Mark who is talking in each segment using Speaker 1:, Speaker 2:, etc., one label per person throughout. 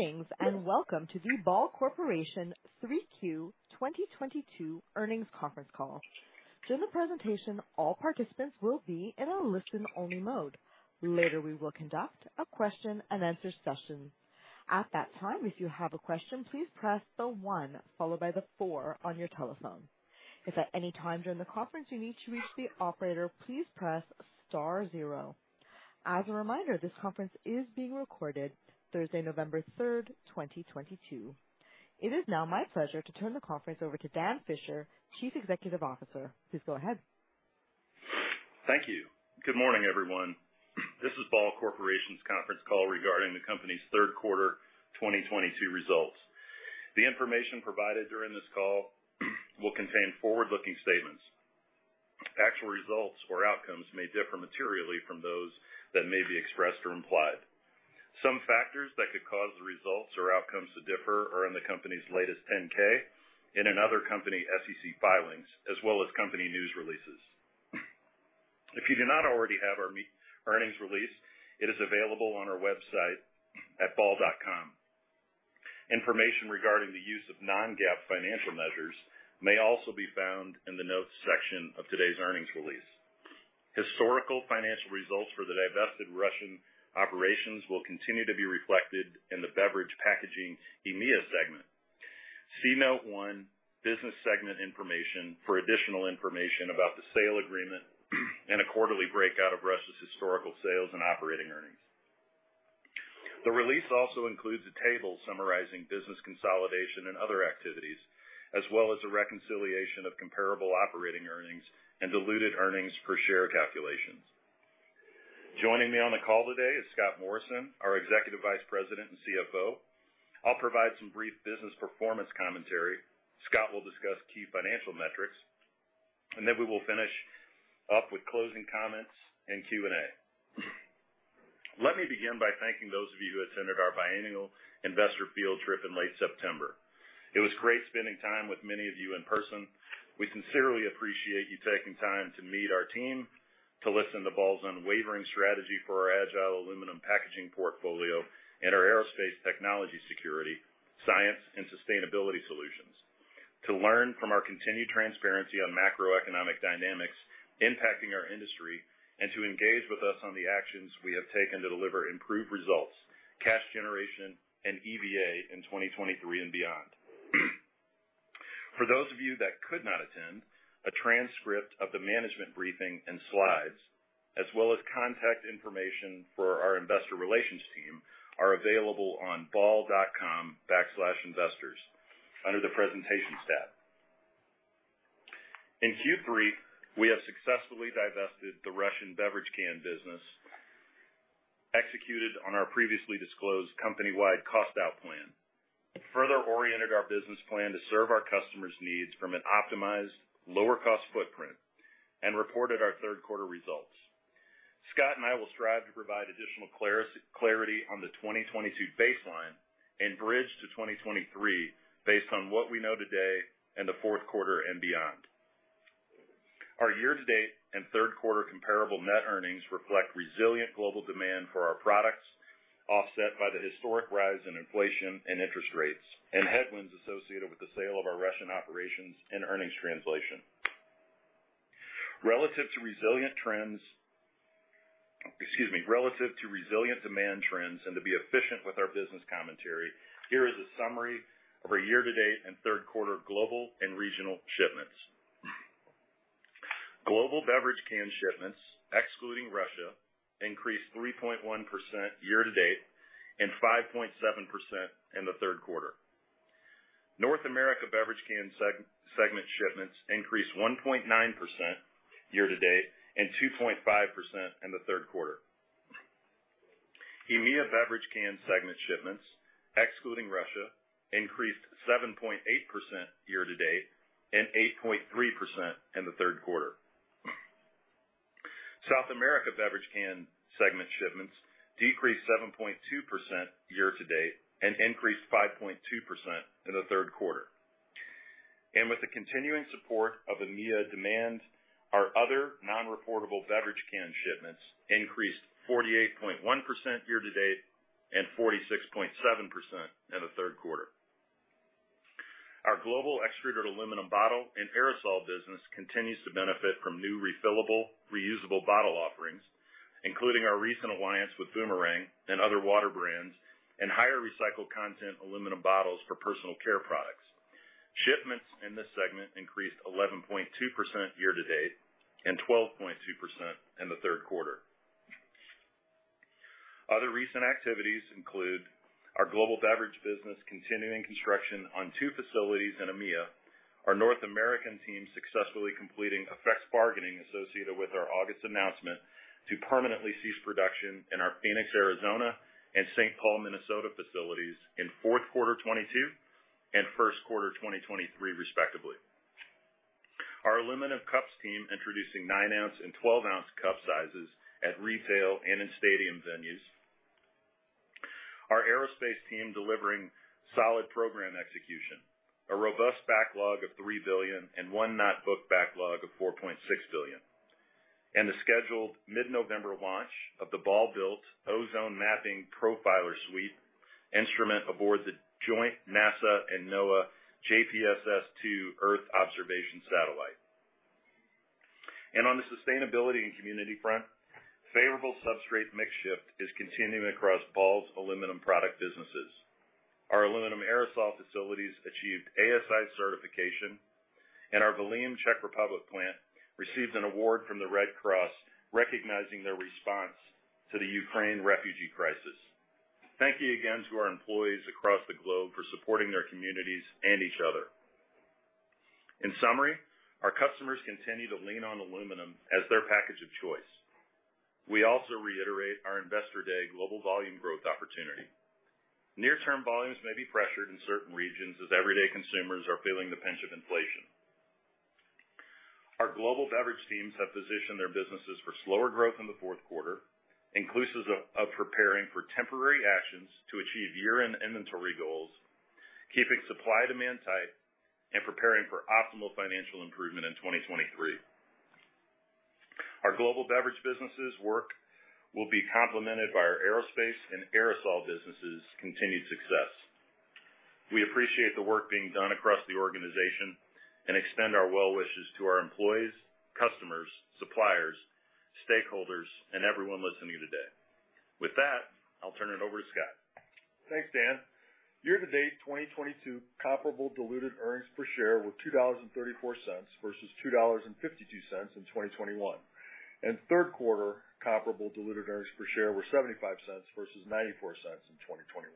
Speaker 1: Thanks, and welcome to the Ball Corporation 3Q 2022 earnings conference call. During the presentation, all participants will be in a listen only mode. Later, we will conduct a question-and-answer session. At that time, if you have a question, please press star one followed by four on your telephone. If at any time during the conference you need to reach the operator, please press star zero. As a reminder, this conference is being recorded Thursday, 3 November 2022. It is now my pleasure to turn the conference over to Dan Fisher, Chief Executive Officer. Please go ahead.
Speaker 2: Thank you. Good morning, everyone. This is Ball Corporation's conference call regarding the company's third quarter 2022 results. The information provided during this call will contain forward-looking statements. Actual results or outcomes may differ materially from those that may be expressed or implied. Some factors that could cause the results or outcomes to differ are in the company's latest 10-K and in other company SEC filings, as well as company news releases. If you do not already have our earnings release, it is available on our website at ball.com. Information regarding the use of non-GAAP financial measures may also be found in the Notes section of today's earnings release. Historical financial results for the divested Russian operations will continue to be reflected in the beverage packaging EMEA segment. See note one, Business Segment Information for additional information about the sale agreement and a quarterly breakout of Russia's historical sales and operating earnings. The release also includes a table summarizing business consolidation and other activities, as well as a reconciliation of comparable operating earnings and diluted earnings per share calculations. Joining me on the call today is Scott Morrison, our Executive Vice President and CFO. I'll provide some brief business performance commentary. Scott will discuss key financial metrics, and then we will finish up with closing comments and Q&A. Let me begin by thanking those of you who attended our biannual investor field trip in late September. It was great spending time with many of you in person. We sincerely appreciate you taking time to meet our team, to listen to Ball's unwavering strategy for our agile aluminum packaging portfolio and our aerospace technology security, science and sustainability solutions. To learn from our continued transparency on macroeconomic dynamics impacting our industry, and to engage with us on the actions we have taken to deliver improved results, cash generation and EVA in 2023 and beyond. For those of you that could not attend, a transcript of the management briefing and slides, as well as contact information for our investor relations team, are available on ball.com/investors under the Presentations tab. In Q3, we have successfully divested the Russian beverage can business, executed on our previously disclosed company-wide cost out plan, further oriented our business plan to serve our customers' needs from an optimized lower cost footprint, and reported our third quarter results. Scott and I will strive to provide additional clarity on the 2022 baseline and bridge to 2023 based on what we know today in the fourth quarter and beyond. Our year to date and third quarter comparable net earnings reflect resilient global demand for our products, offset by the historic rise in inflation and interest rates, and headwinds associated with the sale of our Russian operations and earnings translation. Relative to resilient demand trends and to be efficient with our business commentary, here is a summary of our year-to-date and third quarter global and regional shipments. Global beverage can shipments, excluding Russia, increased 3.1% year-to-date and 5.7% in the third quarter. North America beverage can segment shipments increased 1.9% year-to-date and 2.5% in the third quarter. EMEA beverage can segment shipments, excluding Russia, increased 7.8% year to date and 8.3% in the third quarter. South America beverage can segment shipments decreased 7.2% year-to-date and increased 5.2% in the third quarter. With the continuing support of EMEA demand, our other non-reportable beverage can shipments increased 48.1% year-to-date and 46.7% in the third quarter. Our global extruded aluminum bottle and aerosol business continues to benefit from new refillable reusable bottle offerings, including our recent alliance with Boomerang and other water brands and higher recycled content aluminum bottles for personal care products. Shipments in this segment increased 11.2% year-to-date and 12.2% in the third quarter. Other recent activities include our global beverage business continuing construction on two facilities in EMEA. Our North American team successfully completing effects bargaining associated with our August announcement to permanently cease production in our Phoenix, Arizona and St. Paul, Minnesota facilities in fourth quarter 2022 and first quarter 2023, respectively. Our aluminum cups team introducing nine-ounce and 12-ounce cup sizes at retail and in stadium venues. Our aerospace team delivering solid program execution, a robust backlog of $3 billion and a not booked backlog of $4.6 billion. The scheduled mid-November launch of the Ball-built Ozone Mapping and Profiler Suite instrument aboard the joint NASA and NOAA JPSS-2 Earth observation satellite. On the sustainability and community front, favorable substrate mix shift is continuing across Ball's aluminum product businesses. Our aluminum aerosol facilities achieved ASI certification, and our Velim, Czech Republic plant received an award from the Red Cross recognizing their response to the Ukraine refugee crisis. Thank you again to our employees across the globe for supporting their communities and each other. In summary, our customers continue to lean on aluminum as their package of choice. We also reiterate our Investor Day global volume growth opportunity. Near-term volumes may be pressured in certain regions as everyday consumers are feeling the pinch of inflation. Our global beverage teams have positioned their businesses for slower growth in the fourth quarter, inclusive of preparing for temporary actions to achieve year-end inventory goals, keeping supply-demand tight, and preparing for optimal financial improvement in 2023. Our global beverage businesses' work will be complemented by our aerospace and aerosol businesses' continued success. We appreciate the work being done across the organization and extend our well wishes to our employees, customers, suppliers, stakeholders, and everyone listening today. With that, I'll turn it over to Scott.
Speaker 3: Thanks, Dan. Year-to-date 2022 comparable diluted earnings per share were $2.34 versus $2.52 in 2021. Third quarter comparable diluted earnings per share were $0.75 versus $0.94 in 2021.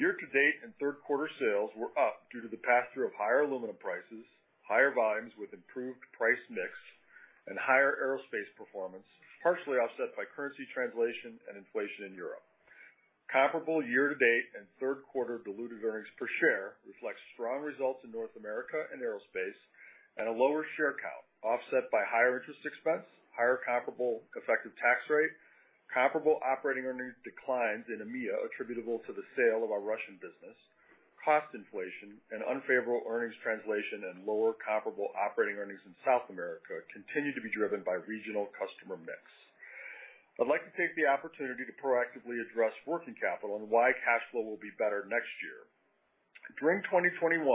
Speaker 3: Year-to-date and third quarter sales were up due to the pass-through of higher aluminum prices, higher volumes with improved price mix, and higher aerospace performance, partially offset by currency translation and inflation in Europe. Comparable year-to-date and third quarter diluted earnings per share reflect strong results in North America and aerospace and a lower share count offset by higher interest expense, higher comparable effective tax rate, comparable operating earnings declines in EMEA attributable to the sale of our Russian business, cost inflation and unfavorable earnings translation and lower comparable operating earnings in South America continue to be driven by regional customer mix. I'd like to take the opportunity to proactively address working capital and why cash flow will be better next year. During 2021,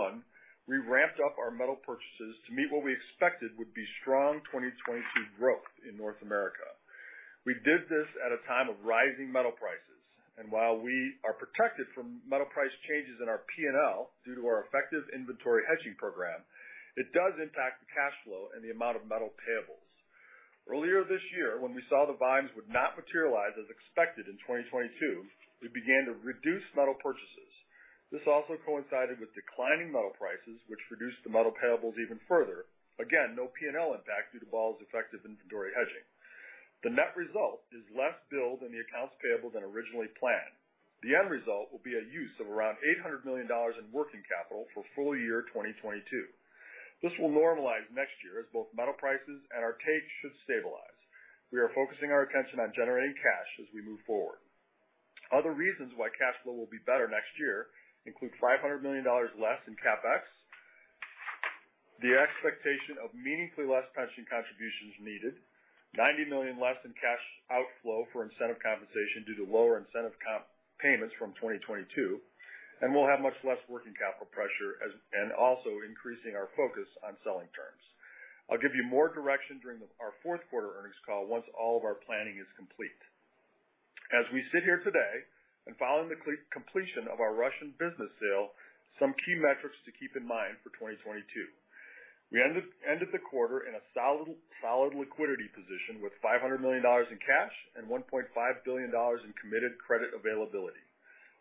Speaker 3: we ramped up our metal purchases to meet what we expected would be strong 2022 growth in North America. We did this at a time of rising metal prices, and while we are protected from metal price changes in our P&L due to our effective inventory hedging program, it does impact the cash flow and the amount of metal payables. Earlier this year, when we saw the volumes would not materialize as expected in 2022, we began to reduce metal purchases. This also coincided with declining metal prices, which reduced the metal payables even further. Again, no P&L impact due to Ball's effective inventory hedging. The net result is less build in the accounts payable than originally planned. The end result will be a use of around $800 million in working capital for full year 2022. This will normalize next year as both metal prices and our take should stabilize. We are focusing our attention on generating cash as we move forward. Other reasons why cash flow will be better next year include $500 million less in CapEx, the expectation of meaningfully less pension contributions needed, $90 million less in cash outflow for incentive compensation due to lower incentive comp payments from 2022, and we'll have much less working capital pressure as, and also increasing our focus on selling terms. I'll give you more direction during our fourth quarter earnings call once all of our planning is complete. As we sit here today, following the completion of our Russian business sale, some key metrics to keep in mind for 2022. We ended the quarter in a solid liquidity position with $500 million in cash and $1.5 billion in committed credit availability.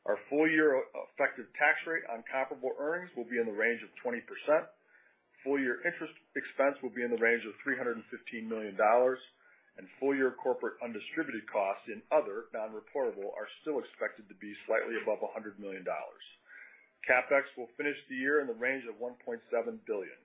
Speaker 3: Our full year effective tax rate on comparable earnings will be in the range of 20%. Full year interest expense will be in the range of $315 million, and full year corporate undistributed costs in other non-reportable are still expected to be slightly above $100 million. CapEx will finish the year in the range of $1.7 billion.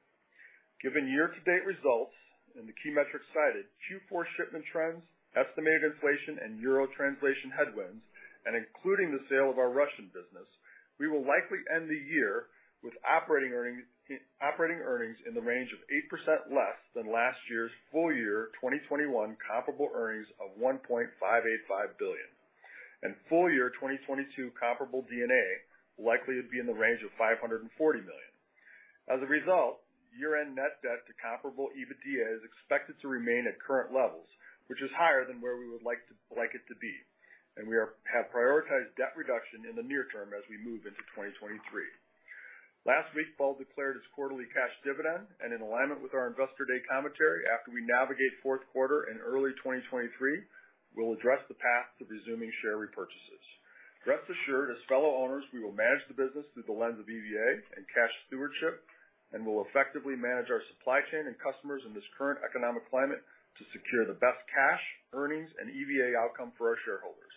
Speaker 3: Given year-to-date results and the key metrics cited, Q4 shipment trends, estimated inflation and euro translation headwinds, and including the sale of our Russian business, we will likely end the year with operating earnings in the range of 8% less than last year's full year 2021 comparable earnings of $1.585 billion. Full year 2022 comparable D&A will likely be in the range of $540 million. As a result, year-end net debt to comparable EBITDA is expected to remain at current levels, which is higher than where we would like it to be. We have prioritized debt reduction in the near term as we move into 2023. Last week, Ball declared its quarterly cash dividend, and in alignment with our Investor Day commentary, after we navigate fourth quarter and early 2023, we'll address the path to resuming share repurchases. Rest assured, as fellow owners, we will manage the business through the lens of EVA and cash stewardship, and we'll effectively manage our supply chain and customers in this current economic climate to secure the best cash, earnings, and EVA outcome for our shareholders.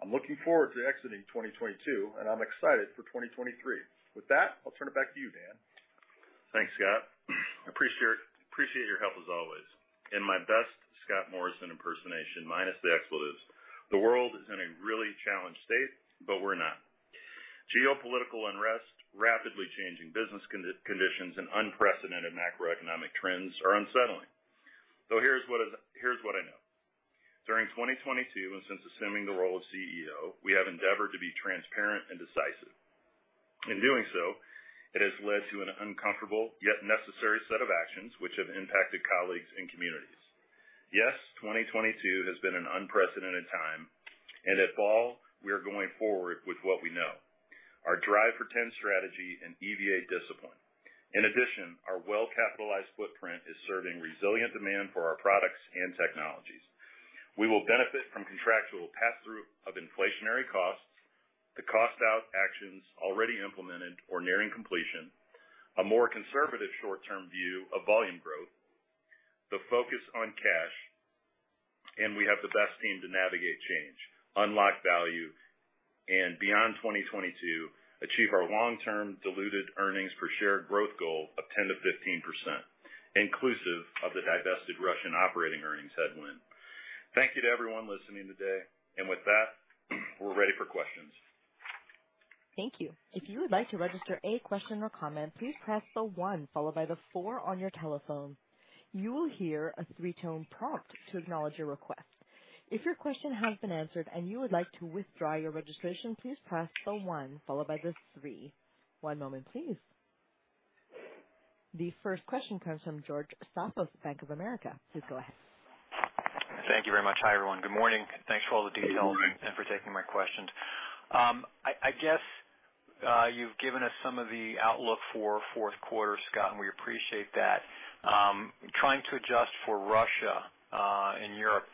Speaker 3: I'm looking forward to exiting 2022, and I'm excited for 2023. With that, I'll turn it back to you, Dan.
Speaker 2: Thanks, Scott. Appreciate your help as always. In my best Scott Morrison impersonation, minus the expletives, the world is in a really challenged state, but we're not. Geopolitical unrest, rapidly changing business conditions, and unprecedented macroeconomic trends are unsettling. Here's what I know. During 2022, and since assuming the role of CEO, we have endeavored to be transparent and decisive. In doing so, it has led to an uncomfortable yet necessary set of actions which have impacted colleagues and communities. Yes, 2022 has been an unprecedented time, and at Ball, we are going forward with what we know, our Drive for Ten strategy and EVA discipline. In addition, our well-capitalized footprint is serving resilient demand for our products and technologies. We will benefit from contractual pass-through of inflationary costs, the cost-out actions already implemented or nearing completion, a more conservative short-term view of volume growth, the focus on cash, and we have the best team to navigate change, unlock value, and beyond 2022, achieve our long-term diluted earnings per share growth goal of 10%-15%, inclusive of the divested Russian operating earnings headwind. Thank you to everyone listening today. With that, we're ready for questions.
Speaker 1: Thank you. If you would like to register a question or comment, please press the one followed by the four on your telephone. You will hear a three-tone prompt to acknowledge your request. If your question has been answered and you would like to withdraw your registration, please press the one followed by the three. One moment, please. The first question comes from George Staphos of Bank of America. Please go ahead.
Speaker 4: Thank you very much. Hi, everyone. Good morning. Thanks for all the details.
Speaker 2: Good morning.
Speaker 4: For taking my questions. I guess you've given us some of the outlook for fourth quarter, Scott, and we appreciate that. Trying to adjust for Russia and Europe,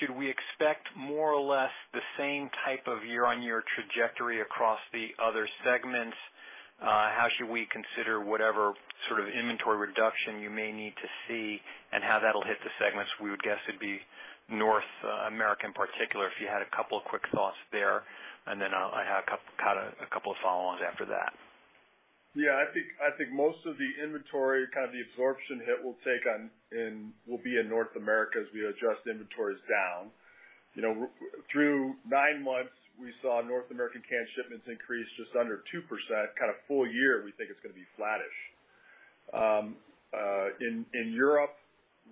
Speaker 4: should we expect more or less the same type of year-on-year trajectory across the other segments? How should we consider whatever sort of inventory reduction you may need to see and how that'll hit the segments? We would guess it'd be North America in particular, if you had a couple of quick thoughts there. Then I'll have a couple of follow-ons after that.
Speaker 3: Yeah. I think most of the inventory, kind of the absorption hit we'll take on in will be in North America as we adjust inventories down. You know, through nine months, we saw North American canned shipments increase just under 2%, kind of full year, we think it's gonna be flattish. In Europe,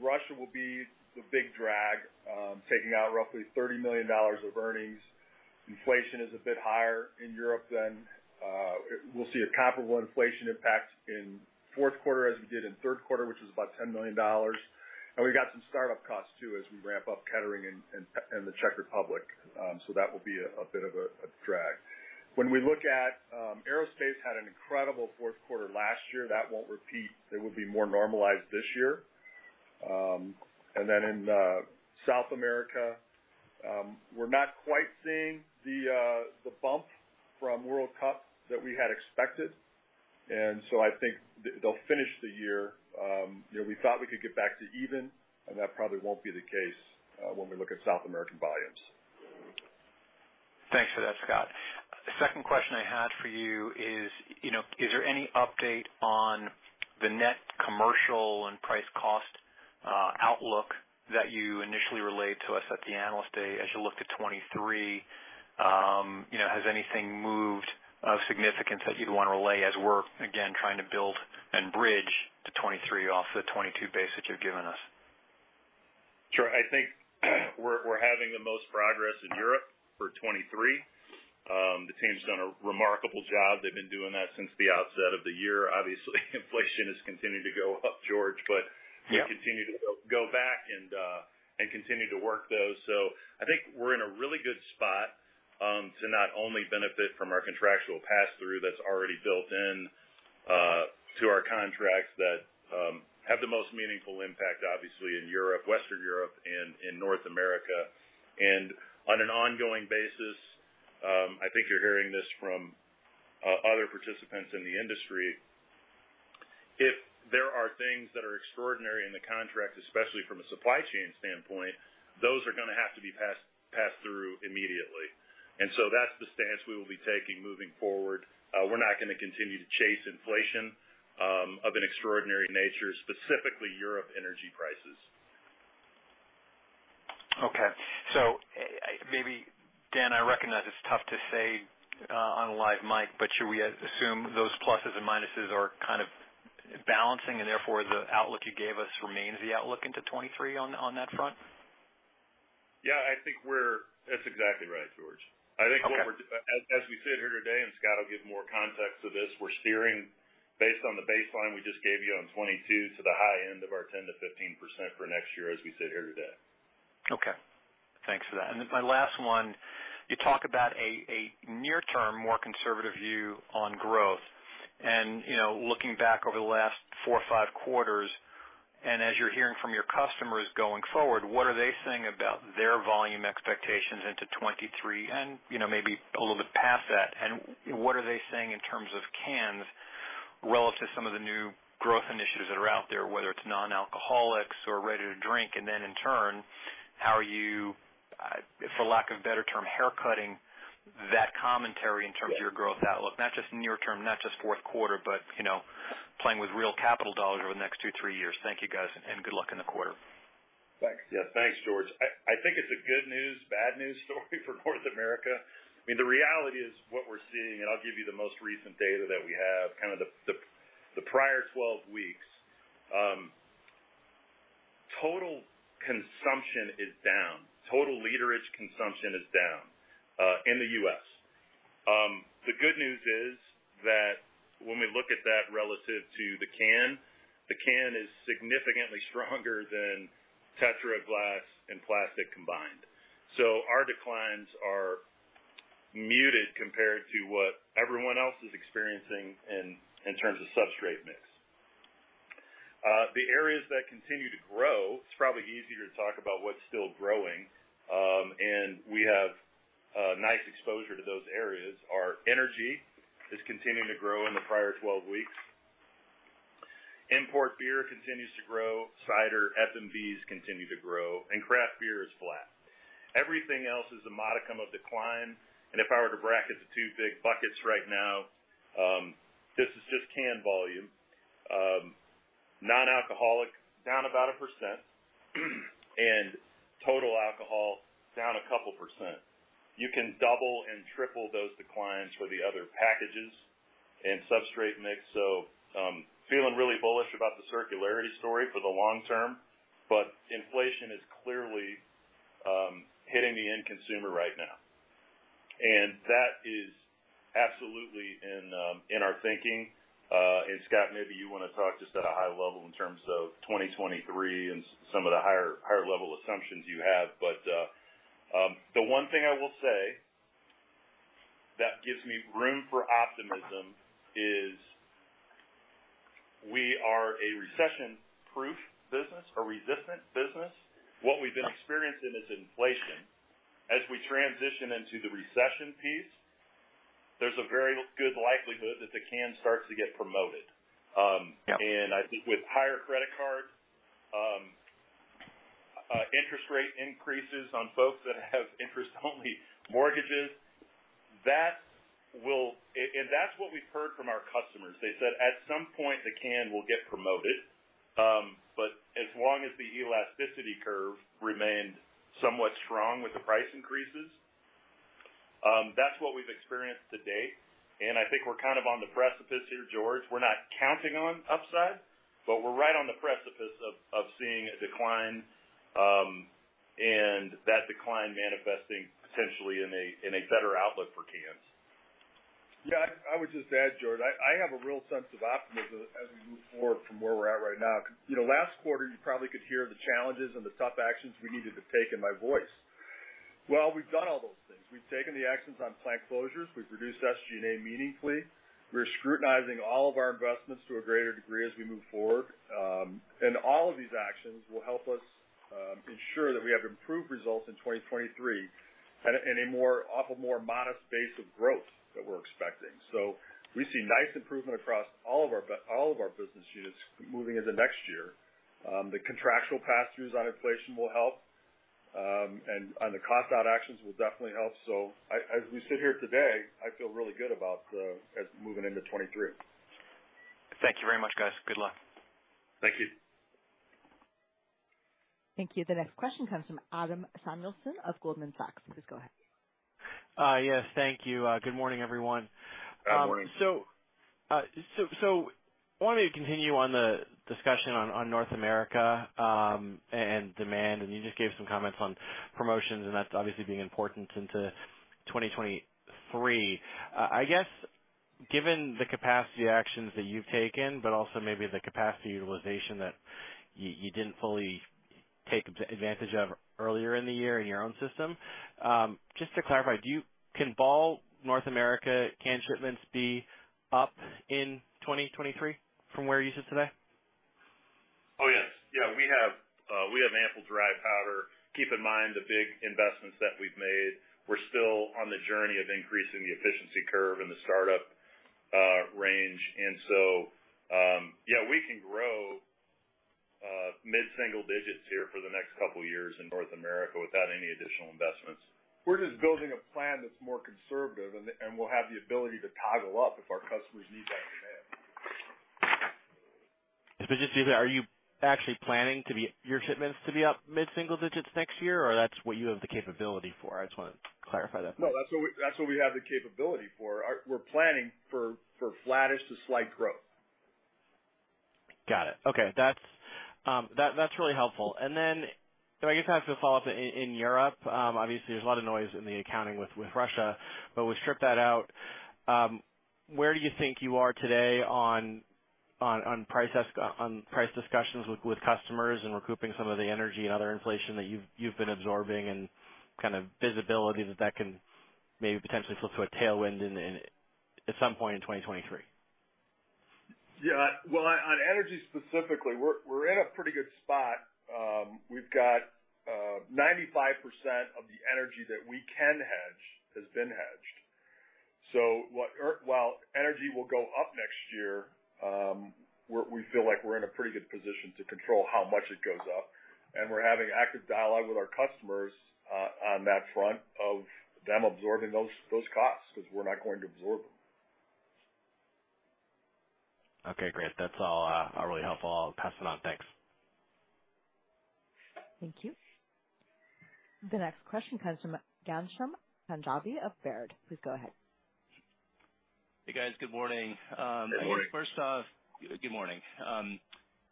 Speaker 3: Russia will be the big drag, taking out roughly $30 million of earnings. Inflation is a bit higher in Europe than we'll see a comparable inflation impact in fourth quarter as we did in third quarter, which is about $10 million. We got some startup costs, too, as we ramp up Kettering and the Czech Republic, so that will be a bit of a drag. When we look at aerospace had an incredible fourth quarter last year. That won't repeat. It will be more normalized this year. Then in South America, we're not quite seeing the bump from World Cup that we had expected. I think they'll finish the year. You know, we thought we could get back to even, and that probably won't be the case when we look at South American volumes.
Speaker 4: Thanks for that, Scott. The second question I had for you is, you know, is there any update on the net commercial and price cost outlook that you initially relayed to us at the Analyst Day as you looked at 2023? You know, has anything moved of significance that you'd wanna relay as we're, again, trying to build a bridge to 2023 off the 2022 base that you've given us?
Speaker 3: Sure. I think we're having the most progress in Europe for 2023. The team's done a remarkable job. They've been doing that since the outset of the year. Obviously, inflation has continued to go up, George, but.
Speaker 4: Yeah.
Speaker 3: We continue to go back and continue to work those. I think we're in a really good spot to not only benefit from our contractual pass-through that's already built in to our contracts that have the most meaningful impact, obviously, in Europe, Western Europe, and in North America. On an ongoing basis, I think you're hearing this from other participants in the industry. If there are things that are extraordinary in the contract, especially from a supply chain standpoint, those are gonna have to be passed through immediately. That's the stance we will be taking moving forward. We're not gonna continue to chase inflation of an extraordinary nature, specifically European energy prices.
Speaker 4: Maybe, Dan, I recognize it's tough to say on a live mic, but should we assume those pluses and minuses are kind of balancing, and therefore, the outlook you gave us remains the outlook into 2023 on that front?
Speaker 2: Yeah. That's exactly right, George.
Speaker 4: Okay.
Speaker 2: As we sit here today, and Scott will give more context to this, we're steering based on the baseline we just gave you on 2022 to the high end of our 10%-15% for next year as we sit here today.
Speaker 4: Okay. Thanks for that. Then my last one, you talk about a near-term, more conservative view on growth. You know, looking back over the last four or five quarters, and as you're hearing from your customers going forward, what are they saying about their volume expectations into 2023 and, you know, maybe a little bit past that? What are they saying in terms of cans relative to some of the new growth initiatives that are out there, whether it's non-alcoholics or ready to drink? Then in turn, how are you, for lack of a better term, haircutting that commentary in terms of your growth outlook, not just near-term, not just fourth quarter, but, you know, playing with real capital dollars over the next two, three years. Thank you, guys, and good luck in the quarter.
Speaker 2: Yeah. Thanks, George. I think it's a good news, bad news story for North America. I mean, the reality is what we're seeing, and I'll give you the most recent data that we have, kind of the prior 12 weeks, total consumption is down, total literage consumption is down, in the U.S.. The good news is that when we look at that relative to the can, the can is significantly stronger than tetra, glass, and plastic combined. So, our declines are muted compared to what everyone else is experiencing in terms of substrate mix. The areas that continue to grow, it's probably easier to talk about what's still growing, and we have nice exposure to those areas, our energy is continuing to grow in the prior 12 weeks. Import beer continues to grow. Cider, FMBs continue to grow, and craft beer is flat. Everything else is a modicum of decline. If I were to bracket the two big buckets right now, this is just can volume. Non-alcoholic, down about 1%, and total alcohol down 2%. You can double and triple those declines for the other packages and substrate mix. Feeling really bullish about the circularity story for the long term. Inflation is clearly hitting the end consumer right now. That is absolutely in our thinking. Scott, maybe you wanna talk just at a high level in terms of 2023 and some of the higher level assumptions you have. The one thing I will say that gives me room for optimism is we are a recession-proof business or resistant business. What we've been experiencing is inflation. As we transition into the recession piece, there's a very good likelihood that the can starts to get promoted.
Speaker 4: Yeah.
Speaker 2: I think with higher credit card interest rate increases on folks that have interest-only mortgages, and that's what we've heard from our customers. They said, at some point, the can will get postponed. But as long as the elasticity curve remained somewhat strong with the price increases, that's what we've experienced to date. I think we're kind of on the precipice here, George. We're not counting on upside, but we're right on the precipice of seeing a decline, and that decline manifesting potentially in a better outlook for cans.
Speaker 3: Yeah. I would just add, George, I have a real sense of optimism as we move forward from where we're at right now. You know, last quarter, you probably could hear the challenges and the tough actions we needed to take in my voice. Well, we've done all those things. We've taken the actions on plant closures. We've reduced SG&A meaningfully. We're scrutinizing all of our investments to a greater degree as we move forward. All of these actions will help us ensure that we have improved results in 2023 off a more modest base of growth that we're expecting. We see nice improvement across all of our business units moving into next year. The contractual pass-throughs on inflation will help, and the cost-out actions will definitely help. As we sit here today, I feel really good about us moving into 2023.
Speaker 4: Thank you very much, guys. Good luck.
Speaker 2: Thank you.
Speaker 1: Thank you. The next question comes from Adam Samuelson of Goldman Sachs. Please go ahead.
Speaker 5: Yes, thank you. Good morning, everyone.
Speaker 2: Good morning.
Speaker 5: Wanted to continue on the discussion on North America and demand, and you just gave some comments on promotions, and that's obviously being important into 2023. I guess, given the capacity actions that you've taken, but also maybe the capacity utilization that you didn't fully take advantage of earlier in the year in your own system, just to clarify, can Ball North America can shipments be up in 2023 from where you sit today?
Speaker 2: Oh, yes. Yeah. We have ample dry powder. Keep in mind the big investments that we've made. We're still on the journey of increasing the efficiency curve in the startup range. Yeah, we can grow mid-single digits here for the next couple years in North America without any additional investments.
Speaker 3: We're just building a plan that's more conservative and we'll have the ability to toggle up if our customers need that demand.
Speaker 5: Usually, are you actually planning to be, your shipments to be up mid-single digits next year, or that's what you have the capability for? I just wanna clarify that.
Speaker 2: No. That's what we have the capability for. We're planning for flattish to slight growth.
Speaker 5: Got it. Okay. That's really helpful. Then I guess I have to follow up in Europe, obviously, there's a lot of noise in the accounting with Russia. But if we strip that out, where do you think you are today on price discussions with customers and recouping some of the energy and other inflation that you've been absorbing and kind of visibility that can maybe potentially flip to a tailwind in at some point in 2023?
Speaker 2: Yeah. Well, on energy specifically, we're in a pretty good spot. We've got 95% of the energy that we can hedge has been hedged. While energy will go up next year, we feel like we're in a pretty good position to control how much it goes up, and we're having active dialogue with our customers on that front of them absorbing those costs, because we're not going to absorb them.
Speaker 5: Okay, great. That's all really helpful. I'll pass it on. Thanks.
Speaker 1: Thank you. The next question comes from Ghansham Panjabi of Baird. Please go ahead.
Speaker 6: Hey, guys. Good morning.
Speaker 3: Good morning.
Speaker 6: Good morning.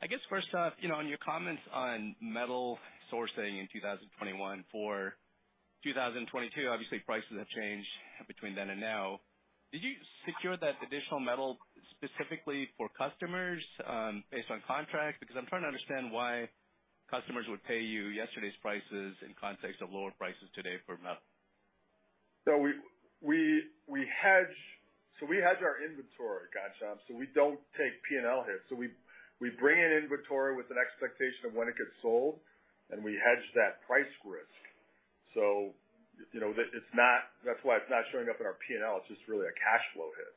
Speaker 6: I guess first off, you know, on your comments on metal sourcing in 2021 for 2022, obviously prices have changed between then and now. Did you secure that additional metal specifically for customers, based on contracts? Because I'm trying to understand why customers would pay you yesterday's prices in context of lower prices today for metal.
Speaker 3: We hedge. We hedge our inventory, Ghansham, so we don't take P&L hits. We bring in inventory with an expectation of when it gets sold, and we hedge that price risk. You know, it's not. That's why it's not showing up in our P&L. It's just really a cash flow hit.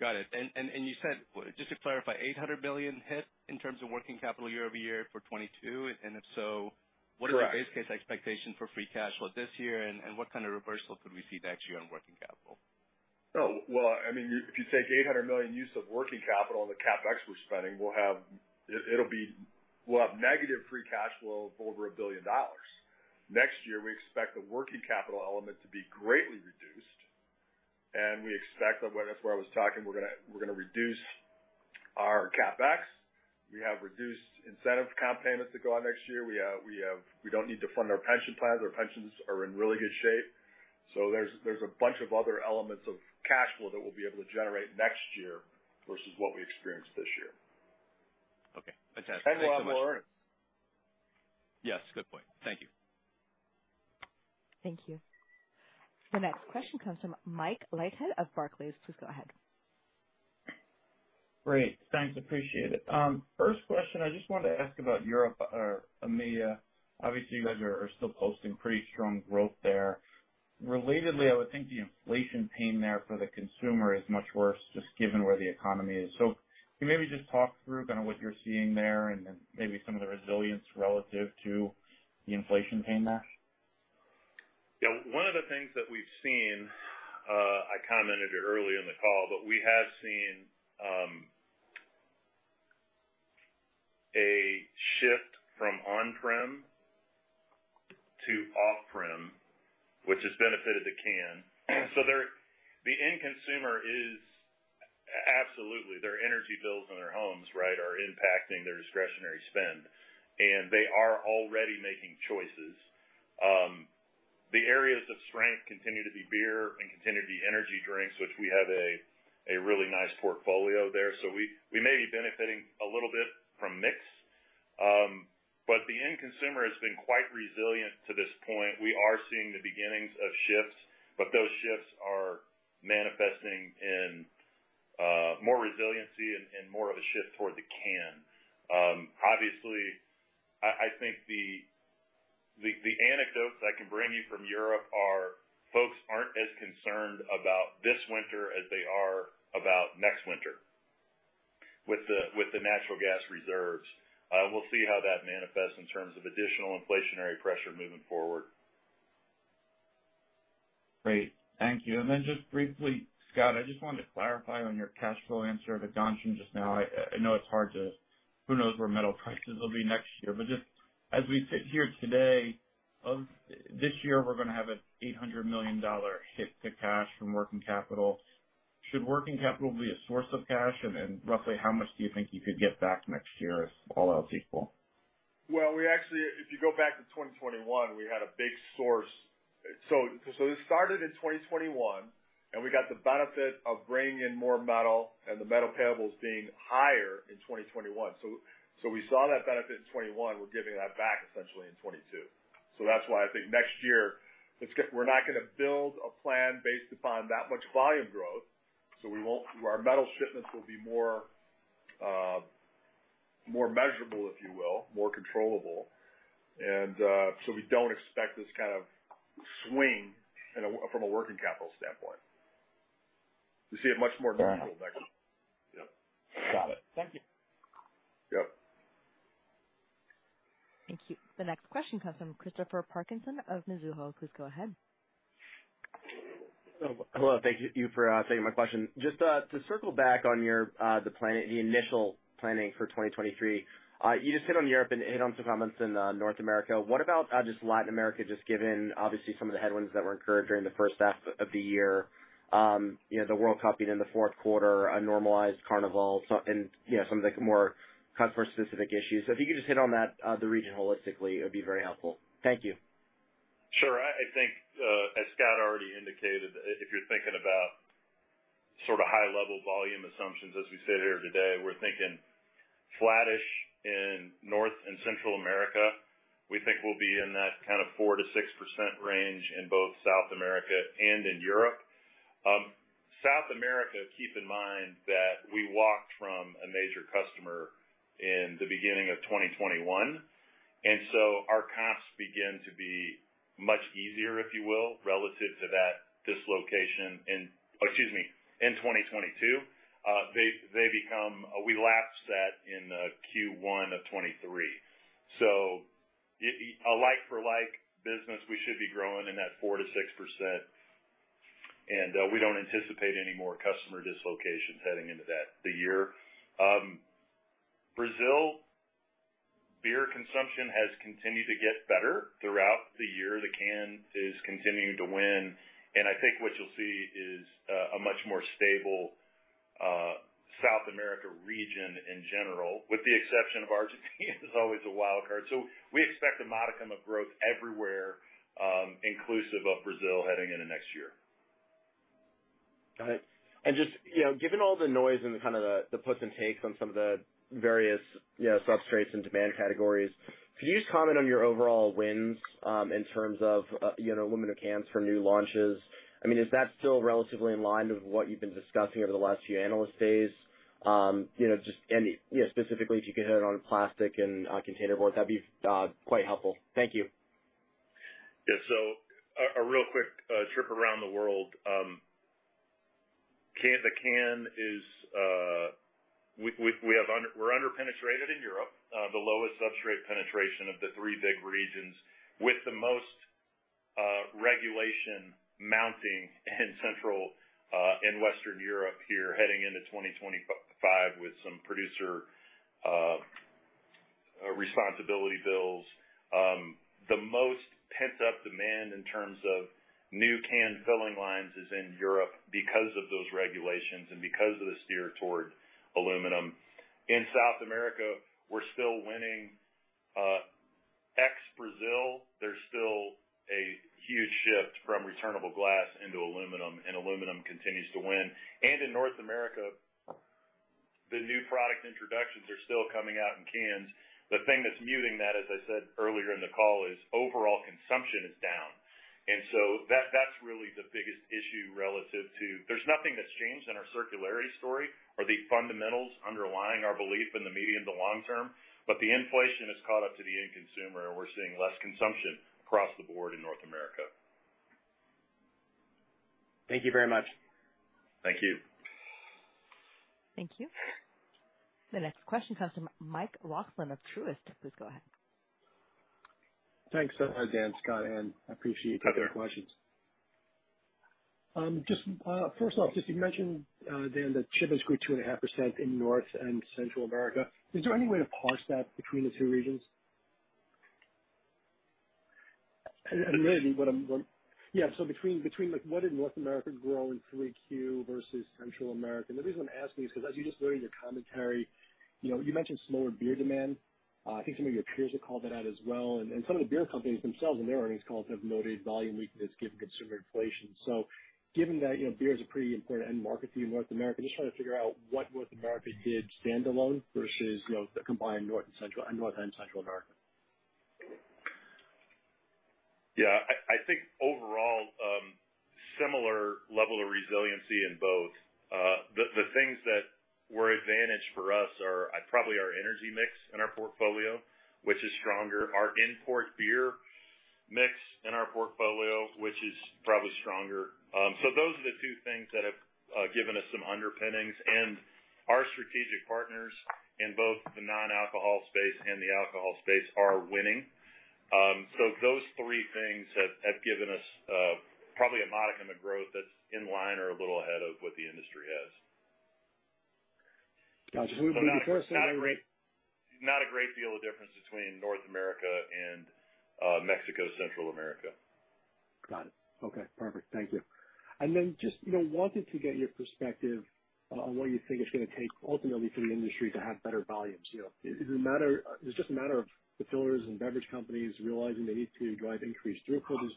Speaker 6: Got it. You said, just to clarify, $800 million hit in terms of working capital year-over-year for 2022, and if so?
Speaker 3: Correct.
Speaker 6: What are the base case expectations for free cash flow this year, and what kind of reversal could we see next year on working capital?
Speaker 3: No. Well, I mean, if you take $800 million use of working capital on the CapEx we're spending, we'll have negative free cash flow of over $1 billion. Next year, we expect the working capital element to be greatly reduced, and we expect, that's where I was talking, we're gonna reduce our CapEx. We have reduced incentive comp payments that go out next year. We don't need to fund our pension plans. Our pensions are in really good shape. There's a bunch of other elements of cash flow that we'll be able to generate next year versus what we experienced this year.
Speaker 6: Okay. Fantastic. Thanks so much.
Speaker 3: One more.
Speaker 6: Yes, good point. Thank you.
Speaker 1: Thank you. The next question comes from Michael Leithead of Barclays. Please go ahead.
Speaker 7: Great. Thanks. Appreciate it. First question, I just wanted to ask about Europe or EMEA. Obviously, you guys are still posting pretty strong growth there. Relatedly, I would think the inflation pain there for the consumer is much worse just given where the economy is. Can you maybe just talk through kinda what you're seeing there and maybe some of the resilience relative to the inflation pain there?
Speaker 2: Yeah. One of the things that we've seen, I commented it earlier in the call, but we have seen a shift from on-prem to off-prem, which has benefited the can. The end consumer is absolutely, their energy bills in their homes, right, are impacting their discretionary spend, and they are already making choices. The areas of strength continue to be beer and continue to be energy drinks, which we have a really nice portfolio there. We may be benefiting a little bit from mix. But the end consumer has been quite resilient to this point. We are seeing the beginnings of shifts, but those shifts are manifesting in more resiliency and more of a shift toward the can. Obviously, I think the anecdotes I can bring you from Europe are folks aren't as concerned about this winter as they are about next winter with the natural gas reserves. We'll see how that manifests in terms of additional inflationary pressure moving forward.
Speaker 7: Great. Thank you. Just briefly, Scott, I just wanted to clarify on your cash flow answer to Ghansham just now. Who knows where metal prices will be next year? Just as we sit here today, end of this year, we're gonna have an $800 million hit to cash from working capital. Should working capital be a source of cash? Roughly how much do you think you could get back next year if all else equal?
Speaker 3: Well, we actually, if you go back to 2021, we had a big source. This started in 2021, and we got the benefit of bringing in more metal and the metal payables being higher in 2021. We saw that benefit in 2021. We're giving that back essentially in 2022. That's why I think next year we're not gonna build a plan based upon that much volume growth. We won't. Our metal shipments will be more measurable, if you will, more controllable. We don't expect this kind of swing from a working capital standpoint. You see it much more controllable next year. Yep.
Speaker 7: Got it. Thank you.
Speaker 3: Yep.
Speaker 1: Thank you. The next question comes from Christopher Parkinson of Mizuho. Please go ahead.
Speaker 8: Hello. Thank you for taking my question. Just to circle back on your the planning, the initial planning for 2023, you just hit on Europe and hit on some comments in North America. What about just Latin America, just given obviously some of the headwinds that were incurred during the first half of the year, you know, the World Cup being in the fourth quarter, a normalized Carnival, so, and, you know, some of the more customer-specific issues. If you could just hit on that, the region holistically, it'd be very helpful. Thank you.
Speaker 2: Sure. I think as Scott already indicated, if you're thinking about sort of high-level volume assumptions as we sit here today, we're thinking flattish in North and Central America. We think we'll be in that kind of 4%-6% range in both South America and in Europe. South America, keep in mind that we walked from a major customer in the beginning of 2021, and so our comps begin to be much easier, if you will, relative to that dislocation in 2022. We lapsed that in Q1 of 2023. A like-for-like business, we should be growing in that 4%-6%. We don't anticipate any more customer dislocations heading into that, the year. Brazil, beer consumption has continued to get better throughout the year. The can is continuing to win, and I think what you'll see is a much more stable South America region in general, with the exception of Argentina is always a wild card. We expect a modicum of growth everywhere, inclusive of Brazil heading into next year.
Speaker 8: Got it. Just, you know, given all the noise and the kind of puts and takes on some of the various, you know, substrates and demand categories, could you just comment on your overall wins in terms of, you know, aluminum cans for new launches? I mean, is that still relatively in line with what you've been discussing over the last few analyst days? You know, just and, yeah, specifically, if you could hit on plastic and containerboard, that'd be quite helpful. Thank you.
Speaker 2: A real quick trip around the world. The can is—we're under-penetrated in Europe, the lowest substrate penetration of the three big regions with the most regulation mounting in Central, in Western Europe here heading into 2025 with some producer responsibility bills. The most pent-up demand in terms of new canned filling lines is in Europe because of those regulations and because of the steer toward aluminum. In South America, we're still winning. Ex-Brazil, there's still a huge shift from returnable glass into aluminum, and aluminum continues to win. In North America, the new product introductions are still coming out in cans. The thing that's muting that, as I said earlier in the call, is overall consumption is down. That's really the biggest issue relative to. There's nothing that's changed in our circularity story or the fundamentals underlying our belief in the medium to long term, but the inflation has caught up to the end consumer, and we're seeing less consumption across the board in North America.
Speaker 8: Thank you very much.
Speaker 2: Thank you.
Speaker 1: Thank you. The next question comes from Michael Roxland of Truist. Please go ahead.
Speaker 9: Thanks, Dan, Scott, and I appreciate your questions.
Speaker 2: Sure.
Speaker 9: Just first off, you mentioned, Dan, that shipments grew 2.5% in North and Central America. Is there any way to parse that between the two regions? Really what I'm asking is between like what did North America grow in 3Q versus Central America? The reason I'm asking is because as you just heard in your commentary, you know, you mentioned slower beer demand. I think some of your peers have called that out as well. Some of the beer companies themselves in their earnings calls have noted volume weakness given consumer inflation. Given that, you know, beer is a pretty important end market for you in North America, just trying to figure out what North America did standalone versus, you know, the combined North and Central America.
Speaker 2: Yeah. I think overall, similar level of resiliency in both. The things that were advantage for us are probably our energy mix in our portfolio, which is stronger. Our import beer mix in our portfolio, which is probably stronger. Those are the two things that have given us some underpinnings. Our strategic partners in both the non-alcohol space and the alcohol space are winning. Those three things have given us probably a modicum of growth that's in line or a little ahead of what the industry has.
Speaker 9: Got you.
Speaker 2: Not a great deal of difference between North America and Mexico, Central America.
Speaker 9: Got it. Okay, perfect. Thank you. Just, you know, wanted to get your perspective on what you think it's gonna take ultimately for the industry to have better volumes. You know, is it just a matter of the fillers and beverage companies realizing they need to drive increased throughput,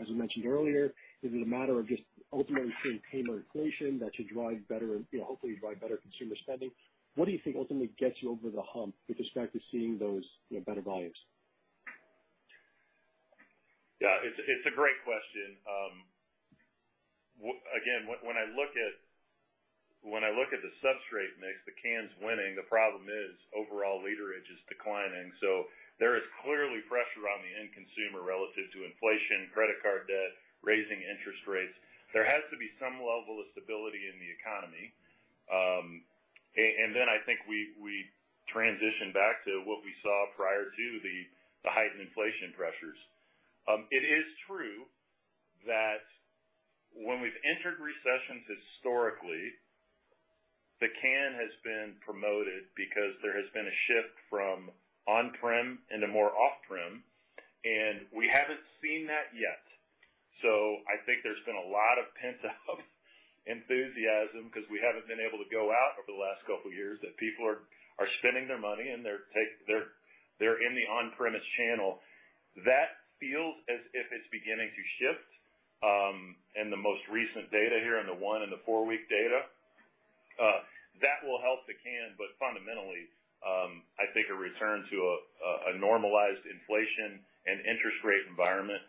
Speaker 9: as you mentioned earlier? Is it a matter of just ultimately seeing tame on inflation that should drive better, you know, hopefully drive better consumer spending? What do you think ultimately gets you over the hump with respect to seeing those, you know, better volumes?
Speaker 2: Yeah, it's a great question. When I look at the substrate mix, the can's winning. The problem is overall literage is declining. There is clearly pressure on the end consumer relative to inflation, credit card debt, raising interest rates. There has to be some level of stability in the economy. And then I think we transition back to what we saw prior to the heightened inflation pressures. It is true that when we've entered recessions historically, the can has been promoted because there has been a shift from on-prem into more off-prem, and we haven't seen that yet. I think there's been a lot of pent-up enthusiasm because we haven't been able to go out over the last couple years, that people are spending their money, and they're in the on-premise channel. That feels as if it's beginning to shift in the most recent data here, in the one and the four-week data. That will help the can, but fundamentally, I think a return to a normalized inflation and interest rate environment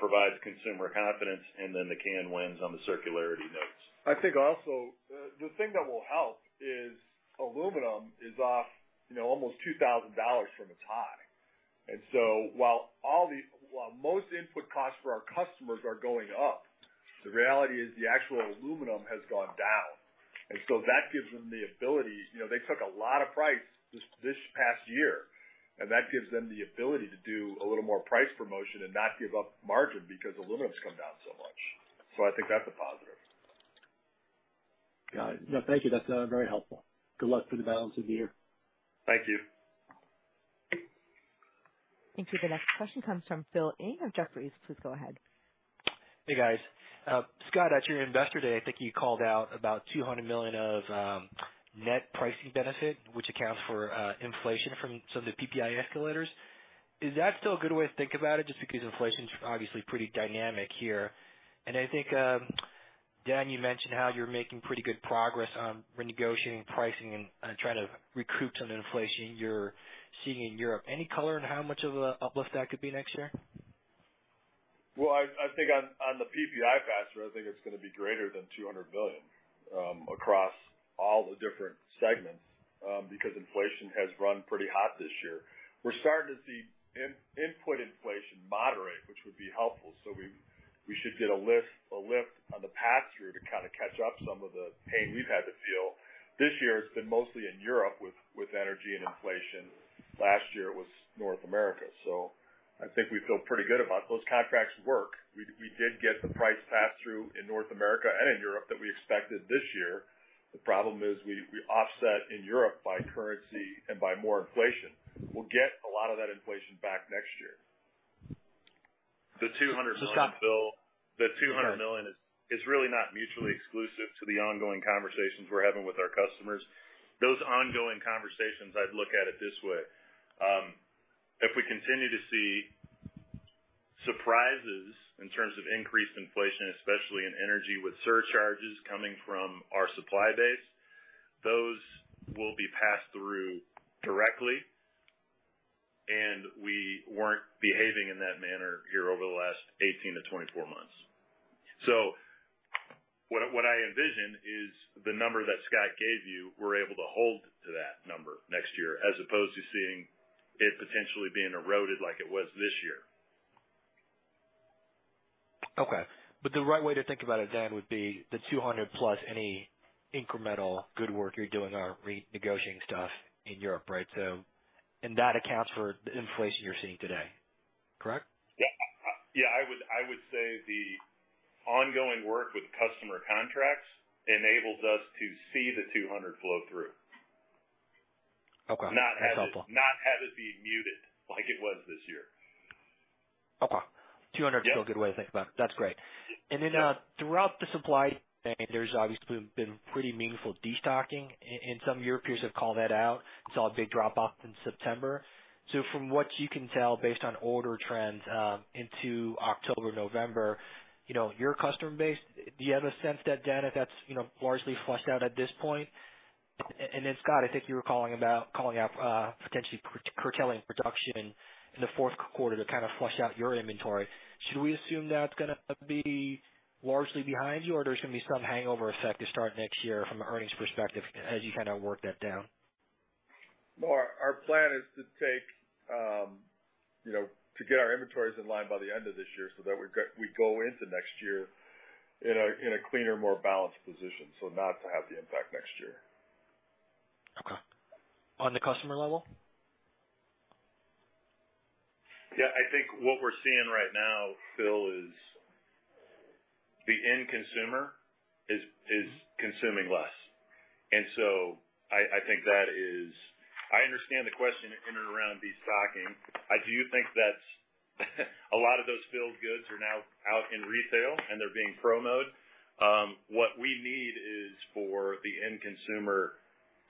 Speaker 2: provides consumer confidence, and then the can wins on the circularity notes.
Speaker 3: I think also, the thing that will help is aluminum is off, you know, almost $2,000 from its high. While most input costs for our customers are going up. The reality is the actual aluminum has gone down. That gives them the ability. You know, they took a lot of price this past year, and that gives them the ability to do a little more price promotion and not give up margin because aluminum's come down so much. I think that's a positive.
Speaker 9: Got it. That's very helpful. Good luck for the balance of the year.
Speaker 3: Thank you.
Speaker 1: Thank you. The next question comes from Philip Ng of Jefferies. Please go ahead.
Speaker 10: Hey, guys. Scott, at your investor day, I think you called out about $200 million of net pricing benefit, which accounts for inflation from some of the PPI escalators. Is that still a good way to think about it? Just because inflation's obviously pretty dynamic here. I think, Dan, you mentioned how you're making pretty good progress on renegotiating pricing and trying to recoup some of the inflation you're seeing in Europe. Any color on how much of a uplift that could be next year?
Speaker 3: Well, I think on the PPI pass-through, I think it's gonna be greater than $200 billion across all the different segments because inflation has run pretty hot this year. We're starting to see input inflation moderate, which would be helpful. We should get a lift on the pass-through to kind of catch up some of the pain we've had to feel. This year it's been mostly in Europe with energy and inflation. Last year it was North America. I think we feel pretty good about those contracts work. We did get the price pass-through in North America and in Europe that we expected this year. The problem is we offset in Europe by currency and by more inflation. We'll get a lot of that inflation back next year.
Speaker 2: $200 million, Phil
Speaker 10: Go ahead.
Speaker 2: The $200 million is really not mutually exclusive to the ongoing conversations we're having with our customers. Those ongoing conversations, I'd look at it this way. If we continue to see surprises in terms of increased inflation, especially in energy with surcharges coming from our supply base, those will be passed through directly, and we weren't behaving in that manner here over the last 18-24 months. What I envision is the number that Scott gave you, we're able to hold to that number next year as opposed to seeing it potentially being eroded like it was this year.
Speaker 10: Okay. The right way to think about it then would be the $200+ any incremental good work you're doing on renegotiating stuff in Europe, right? That accounts for the inflation you're seeing today, correct?
Speaker 2: Yeah, I would say the ongoing work with customer contracts enables us to see the 200 flow through.
Speaker 10: Okay. That's helpful.
Speaker 2: Not have it be muted like it was this year.
Speaker 10: Okay. 200-
Speaker 2: Yeah.
Speaker 10: Is still a good way to think about it. That's great.
Speaker 2: Yeah.
Speaker 10: Throughout the supply chain, there's obviously been pretty meaningful destocking, and some of your peers have called that out. Saw a big drop-off in September. From what you can tell based on order trends, into October, November, you know, your customer base, do you have a sense that, Dan, if that's, you know, largely flushed out at this point? Scott, I think you were calling out potentially curtailing production in the fourth quarter to kind of flush out your inventory. Should we assume that's gonna be largely behind you, or there's gonna be some hangover effect to start next year from an earnings perspective as you kind of work that down?
Speaker 3: No, our plan is to take, you know, to get our inventories in line by the end of this year so that we go into next year in a cleaner, more balanced position, so not to have the impact next year.
Speaker 10: Okay. On the customer level?
Speaker 2: Yeah. I think what we're seeing right now, Phil, is the end consumer is consuming less. I think that is. I understand the question in and around destocking. I do think that's a lot of those filled goods are now out in retail, and they're being promoted. What we need is for the end consumer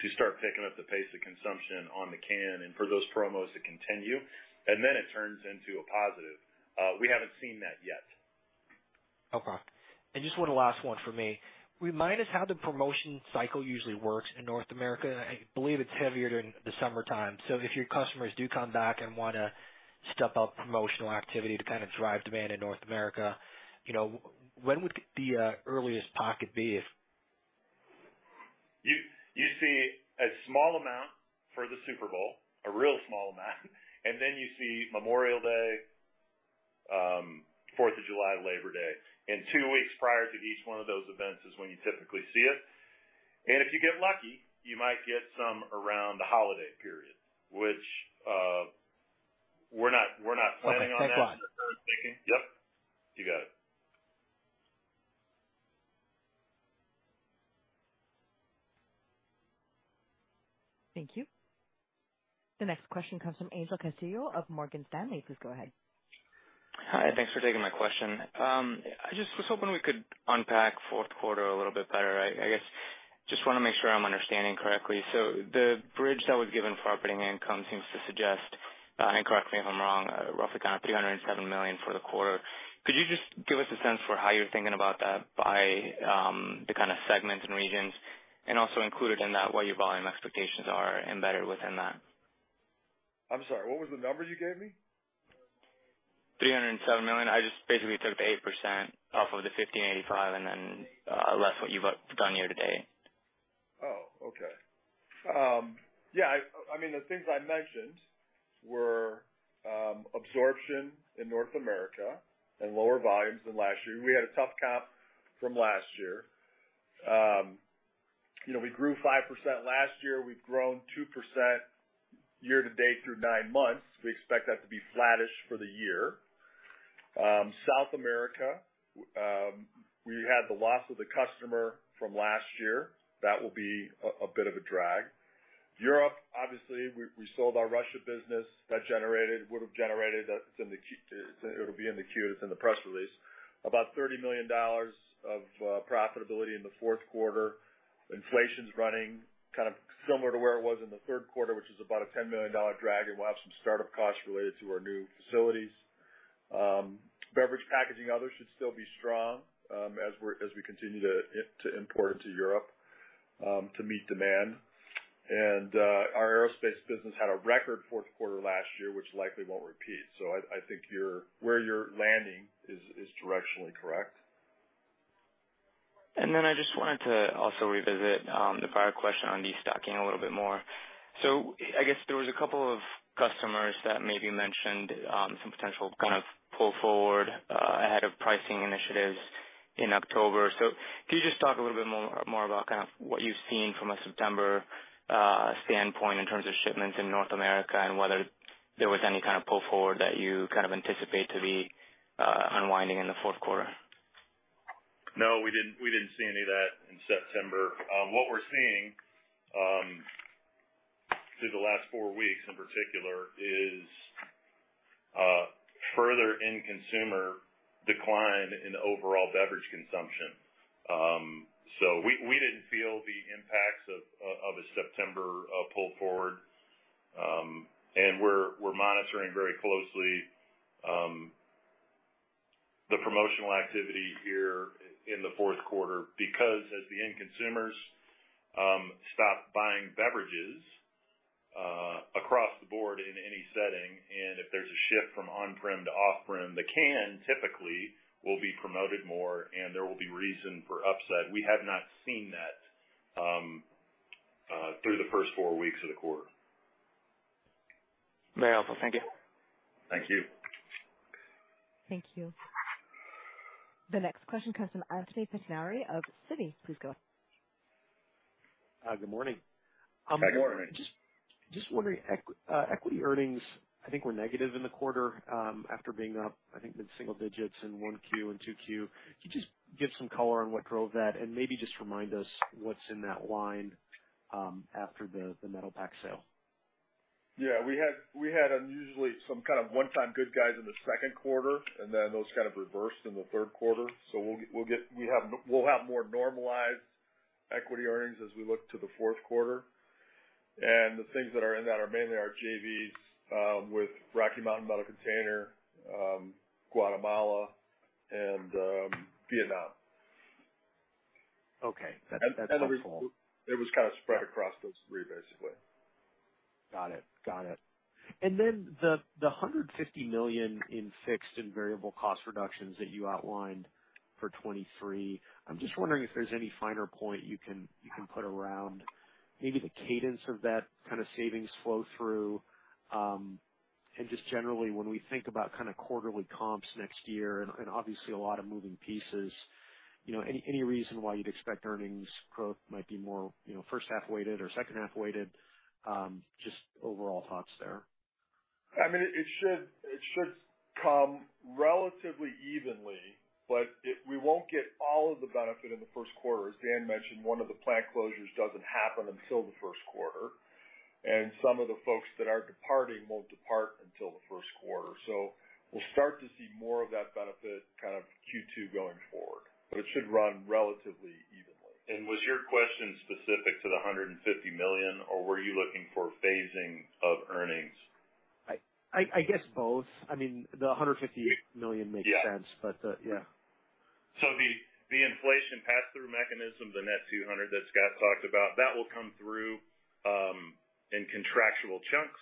Speaker 2: to start picking up the pace of consumption on the can and for those promos to continue, and then it turns into a positive. We haven't seen that yet.
Speaker 10: Okay. Just one last one from me. Remind us how the promotion cycle usually works in North America. I believe it's heavier during the summertime. If your customers do come back and wanna step up promotional activity to kind of drive demand in North America, you know, when would the earliest pocket be if-
Speaker 2: You see a small amount for the Super Bowl, a real small amount, and then you see Memorial Day, Fourth of July, Labor Day, and two weeks prior to each one of those events is when you typically see it. If you get lucky, you might get some around the holiday period, which we're not planning on that.
Speaker 10: Okay. Thanks a lot.
Speaker 2: Worth thinking. Yep. You got it.
Speaker 1: Thank you. The next question comes from Angel Castillo of Morgan Stanley. Please go ahead.
Speaker 11: Hi. Thanks for taking my question. I just was hoping we could unpack fourth quarter a little bit better. I guess, just wanna make sure I'm understanding correctly. The bridge that was given for operating income seems to suggest, and correct me if I'm wrong, roughly kind of $307 million for the quarter. Could you just give us a sense for how you're thinking about that by the kind of segments and regions, and also included in that, what your volume expectations are embedded within that?
Speaker 3: I'm sorry, what was the numbers you gave me?
Speaker 11: $307 million. I just basically took the 8% off of the 15.85 and then, less what you've done year to date.
Speaker 3: Yeah, I mean, the things I mentioned were absorption in North America and lower volumes than last year. We had a tough comp from last year. You know, we grew 5% last year. We've grown 2% year-to-date through nine months. We expect that to be flattish for the year. South America, we had the loss of the customer from last year. That will be a bit of a drag. Europe, obviously, we sold our Russia business. That would have generated. It's in the Q. It's in the press release, about $30 million of profitability in the fourth quarter. Inflation's running kind of similar to where it was in the third quarter, which is about a $10 million drag, and we'll have some start-up costs related to our new facilities. Beverage packaging, others should still be strong, as we continue to import into Europe to meet demand. Our aerospace business had a record fourth quarter last year, which likely won't repeat. I think where you're landing is directionally correct.
Speaker 11: I just wanted to also revisit the prior question on destocking a little bit more. I guess there was a couple of customers that maybe mentioned some potential kind of pull forward ahead of pricing initiatives in October. Could you just talk a little bit more about kind of what you've seen from a September standpoint in terms of shipments in North America and whether there was any kind of pull forward that you kind of anticipate to be unwinding in the fourth quarter?
Speaker 2: No, we didn't see any of that in September. What we're seeing through the last four weeks in particular is further end consumer decline in overall beverage consumption. We didn't feel the impacts of a September pull forward. We're monitoring very closely the promotional activity here in the fourth quarter because as the end consumers stop buying beverages across the board in any setting, and if there's a shift from on-prem to off-prem, the can typically will be promoted more, and there will be reason for upset. We have not seen that through the first four weeks of the quarter.
Speaker 11: Very helpful. Thank you.
Speaker 3: Thank you.
Speaker 1: Thank you. The next question comes from Anthony Pettinari of Citi. Please go.
Speaker 12: Good morning.
Speaker 3: Good morning.
Speaker 12: Just wondering, equity earnings I think were negative in the quarter after being up, I think, in single digits in 1Q and 2Q. Could you just give some color on what drove that and maybe just remind us what's in that line after the Metalpack sale?
Speaker 3: Yeah. We had unusually some kind of one-time goodies in the second quarter, and then those kind of reversed in the third quarter. We'll have more normalized equity earnings as we look to the fourth quarter. The things that are in that are mainly our JVs with Rocky Mountain Metal Container, Guatemala and Vietnam.
Speaker 12: Okay. That's helpful.
Speaker 3: It was kind of spread across those three, basically.
Speaker 12: Got it. The $150 million in fixed and variable cost reductions that you outlined for 2023, I'm just wondering if there's any finer point you can put around maybe the cadence of that kind of savings flow through. Just generally, when we think about kind of quarterly comps next year and obviously a lot of moving pieces, you know, any reason why you'd expect earnings growth might be more, you know, first half weighted or second half weighted? Just overall thoughts there.
Speaker 3: I mean, it should come relatively evenly, but we won't get all of the benefit in the first quarter. As Dan mentioned, one of the plant closures doesn't happen until the first quarter, and some of the folks that are departing won't depart until the first quarter. We'll start to see more of that benefit kind of Q2 going forward, but it should run relatively evenly.
Speaker 2: Was your question specific to the $150 million, or were you looking for phasing of earnings?
Speaker 12: I guess both. I mean, the $150 million makes sense.
Speaker 2: Yeah.
Speaker 12: Yeah.
Speaker 2: The inflation pass-through mechanism, the net 200 that Scott talked about, that will come through in contractual chunks.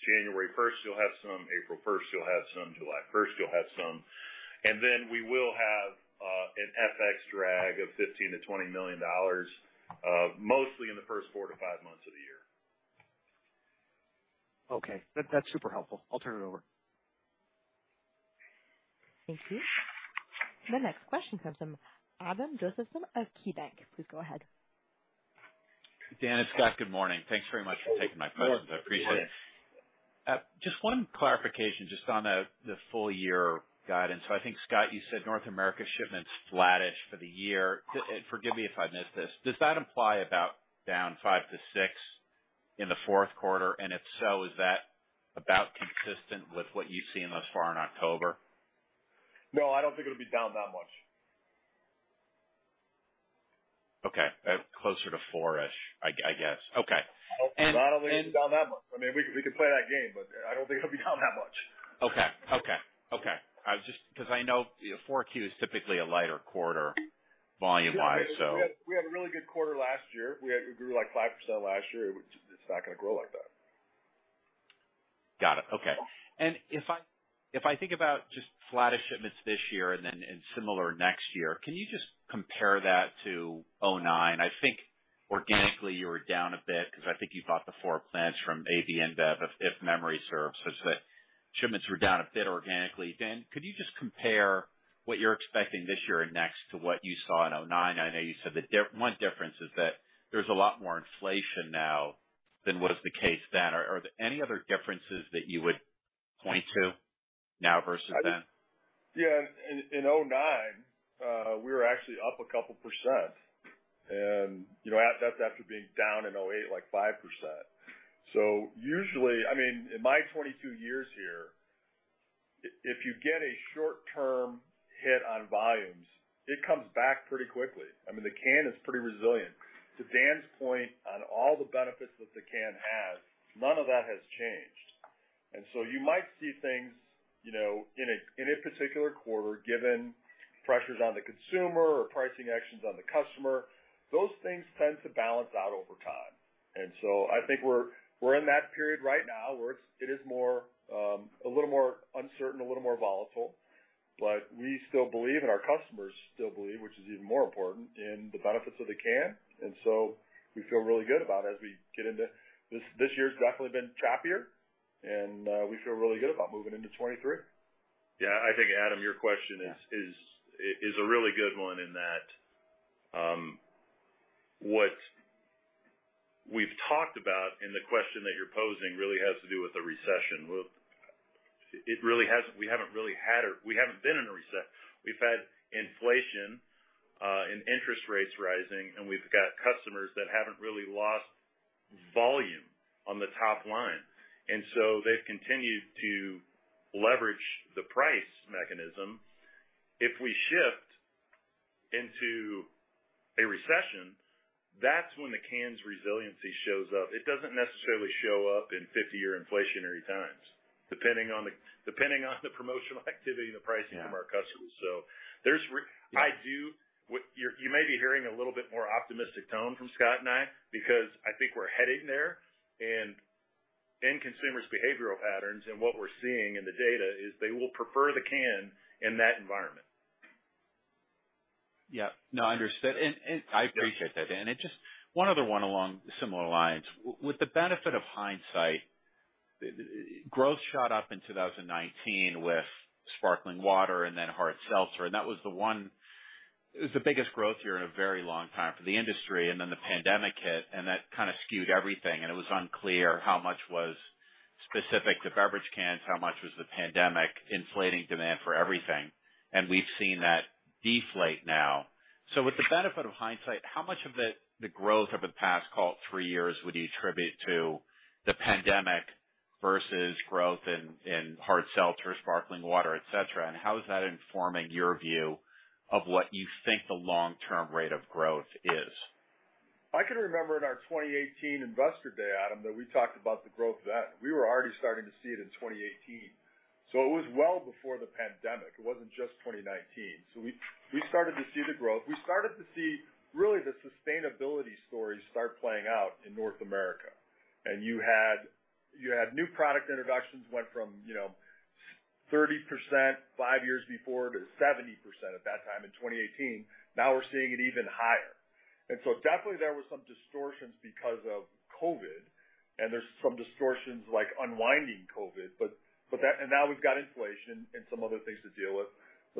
Speaker 2: January first you'll have some, April first you'll have some, July first you'll have some. Then we will have an FX drag of $15 million-$20 million, mostly in the first four-five months of the year.
Speaker 12: Okay. That's super helpful. I'll turn it over.
Speaker 1: Thank you. The next question comes from Adam Josephson of KeyBanc. Please go ahead.
Speaker 13: Dan and Scott, good morning. Thanks very much for taking my questions. I appreciate it.
Speaker 3: Good morning.
Speaker 13: Just one clarification just on the full year guidance. I think, Scott, you said North America shipments flattish for the year. Forgive me if I missed this. Does that imply about down 5%-6% in the fourth quarter? If so, is that about consistent with what you've seen thus far in October?
Speaker 3: No, I don't think it'll be down that much.
Speaker 13: Okay. Closer to four-ish, I guess. Okay.
Speaker 3: No, I don't think it'll be down that much. I mean, we can play that game, but I don't think it'll be down that much.
Speaker 13: Okay. 'Cause I know 4Q is typically a lighter quarter volume-wise, so.
Speaker 3: We had a really good quarter last year. We grew, like, 5% last year. It's just, it's not gonna grow like that.
Speaker 13: Got it. Okay. If I think about just flattish shipments this year and then similar next year, can you just compare that to 2009? I think organically you were down a bit because I think you bought the four plants from AB InBev, if memory serves, shipments were down a bit organically. Dan, could you just compare what you're expecting this year and next to what you saw in 2009? I know you said one difference is that there's a lot more inflation now than was the case then. Are there any other differences that you would point to now versus then?
Speaker 3: Yeah. In 2009, we were actually up 2%. You know, that's after being down in 2008, like 5%. Usually, I mean, in my 22 years here, if you get a short term hit on volumes, it comes back pretty quickly. I mean, the can is pretty resilient. To Dan's point on all the benefits that the can has, none of that has changed. You might see things, you know, in a particular quarter, given pressures on the consumer or pricing actions on the customer, those things tend to balance out over time. I think we're in that period right now where it's a little more uncertain, a little more volatile. We still believe, and our customers still believe, which is even more important, in the benefits of the can. This year has definitely been choppier, and we feel really good about moving into 2023.
Speaker 2: Yeah. I think, Adam, your question is a really good one in that, what we've talked about and the question that you're posing really has to do with the recession. We've had inflation, and interest rates rising, and we've got customers that haven't really lost volume on the top line, and so they've continued to leverage the price mechanism. If we shift into a recession, that's when the can's resiliency shows up. It doesn't necessarily show up in 50-year inflationary times, depending on the promotional activity and the pricing from our customers. You may be hearing a little bit more optimistic tone from Scott and I because I think we're heading there. In consumers' behavioral patterns and what we're seeing in the data is they will prefer the can in that environment.
Speaker 13: Yeah. No, I understand. I appreciate that, Dan. It just. One other one along similar lines. With the benefit of hindsight, growth shot up in 2019 with sparkling water and then hard seltzer, and that was the one. It was the biggest growth year in a very long time for the industry. Then the pandemic hit, and that kinda skewed everything, and it was unclear how much was specific to beverage cans, how much was the pandemic inflating demand for everything. We've seen that deflate now. With the benefit of hindsight, how much of the growth over the past, call it three years, would you attribute to the pandemic versus growth in hard seltzer, sparkling water, et cetera? How is that informing your view of what you think the long-term rate of growth is?
Speaker 3: I can remember at our 2018 investor day, Adam, that we talked about the growth then. We were already starting to see it in 2018, so it was well before the pandemic. It wasn't just 2019. We started to see the growth. We started to see really the sustainability story start playing out in North America. You had new product introductions went from, you know, 30% five years before to 70% at that time in 2018. Now we're seeing it even higher. Definitely there was some distortions because of COVID, and there's some distortions like unwinding COVID. That. Now we've got inflation and some other things to deal with.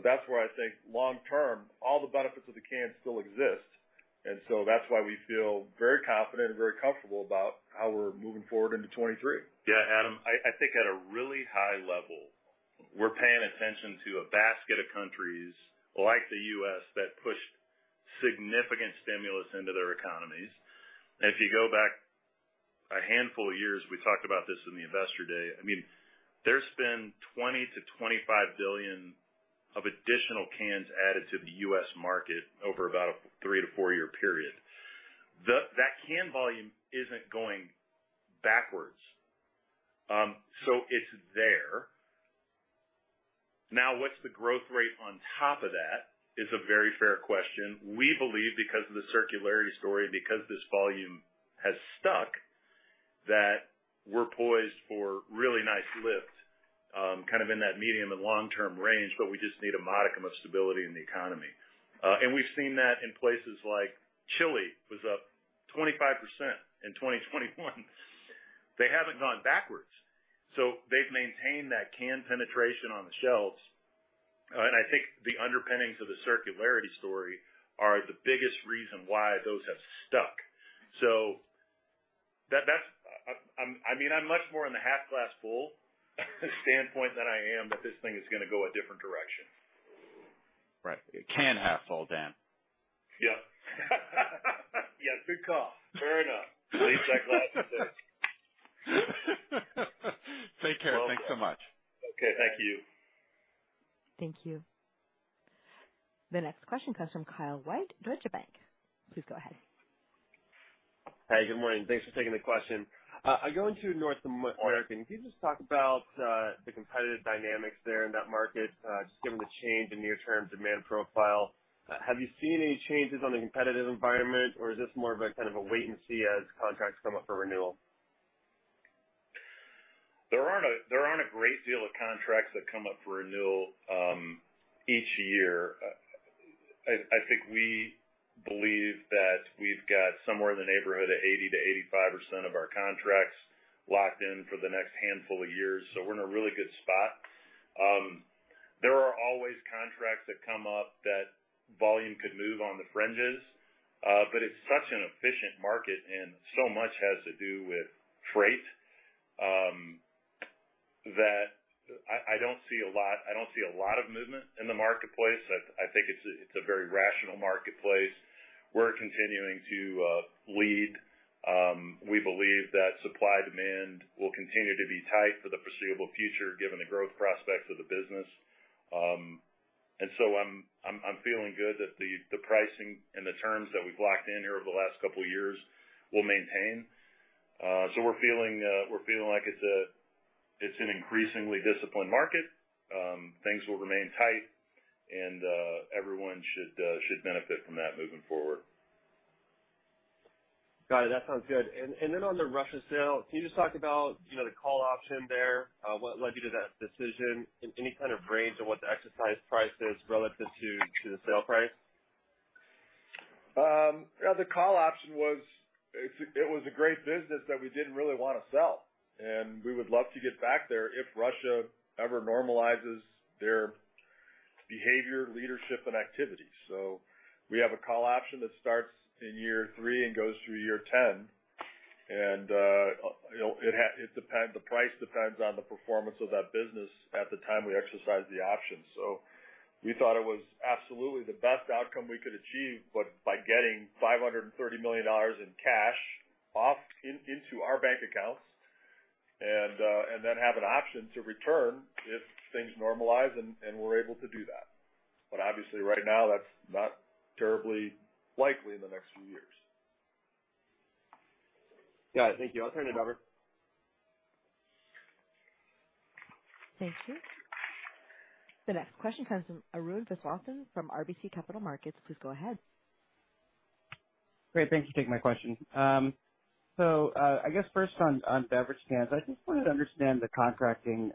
Speaker 3: That's where I think long term, all the benefits of the can still exist. That's why we feel very confident and very comfortable about how we're moving forward into 2023.
Speaker 2: Yeah, Adam, I think at a really high level, we're paying attention to a basket of countries like the U.S. that pushed significant stimulus into their economies. If you go back a handful of years, we talked about this in the Investor Day. I mean, there's been 20 billion-25 billion of additional cans added to the U.S. market over about a three-four-year period. That can volume isn't going backwards. So it's there. Now, what's the growth rate on top of that is a very fair question. We believe because of the circularity story, because this volume has stuck, that we're poised for really nice lift, kind of in that medium and long-term range, but we just need a modicum of stability in the economy. We've seen that in places like Chile was up 25% in 2021. They haven't gone backwards. They've maintained that can penetration on the shelves. I think the underpinnings of the circularity story are the biggest reason why those have stuck. That's, I mean, I'm much more in the half-glass full standpoint than I am that this thing is gonna go a different direction.
Speaker 13: Right. The can half full, Dan.
Speaker 2: Yeah.
Speaker 3: Yeah. Good call. Fair enough.
Speaker 2: Please check last week.
Speaker 13: Take care.
Speaker 2: Welcome.
Speaker 13: Thanks so much.
Speaker 2: Okay. Thank you.
Speaker 1: Thank you. The next question comes from Kyle White, Deutsche Bank. Please go ahead.
Speaker 14: Hey, good morning. Thanks for taking the question. Going to North America, can you just talk about the competitive dynamics there in that market, just given the change in near-term demand profile, have you seen any changes in the competitive environment, or is this more of a kind of a wait and see as contracts come up for renewal?
Speaker 3: There aren't a great deal of contracts that come up for renewal each year. I think we believe that we've got somewhere in the neighborhood of 80%-85% of our contracts locked in for the next handful of years. We're in a really good spot. There are always contracts that come up that volume could move on the fringes. It's such an efficient market and so much has to do with freight that I don't see a lot of movement in the marketplace. I think it's a very rational marketplace. We're continuing to lead. We believe that supply-demand will continue to be tight for the foreseeable future, given the growth prospects of the business. I'm feeling good that the pricing and the terms that we've locked in here over the last couple of years will maintain. We're feeling like it's an increasingly disciplined market. Things will remain tight and everyone should benefit from that moving forward.
Speaker 14: Got it. That sounds good. On the Russia sale, can you just talk about, you know, the call option there? What led you to that decision and any kind of range of what the exercise price is relative to the sale price?
Speaker 3: Yeah, the call option was a great business that we didn't really wanna sell, and we would love to get back there if Russia ever normalizes their behavior, leadership and activities. We have a call option that starts in year three and goes through year 10. You know, the price depends on the performance of that business at the time we exercise the option. We thought it was absolutely the best outcome we could achieve by getting $530 million in cash into our bank accounts and then have an option to return if things normalize and we're able to do that. Obviously right now, that's not terribly likely in the next few years.
Speaker 14: Got it. Thank you. I'll turn it over.
Speaker 1: Thank you. The next question comes from Arun Viswanathan from RBC Capital Markets. Please go ahead.
Speaker 15: Great. Thank you for taking my question. I guess first on beverage cans, I just wanted to understand the contracting,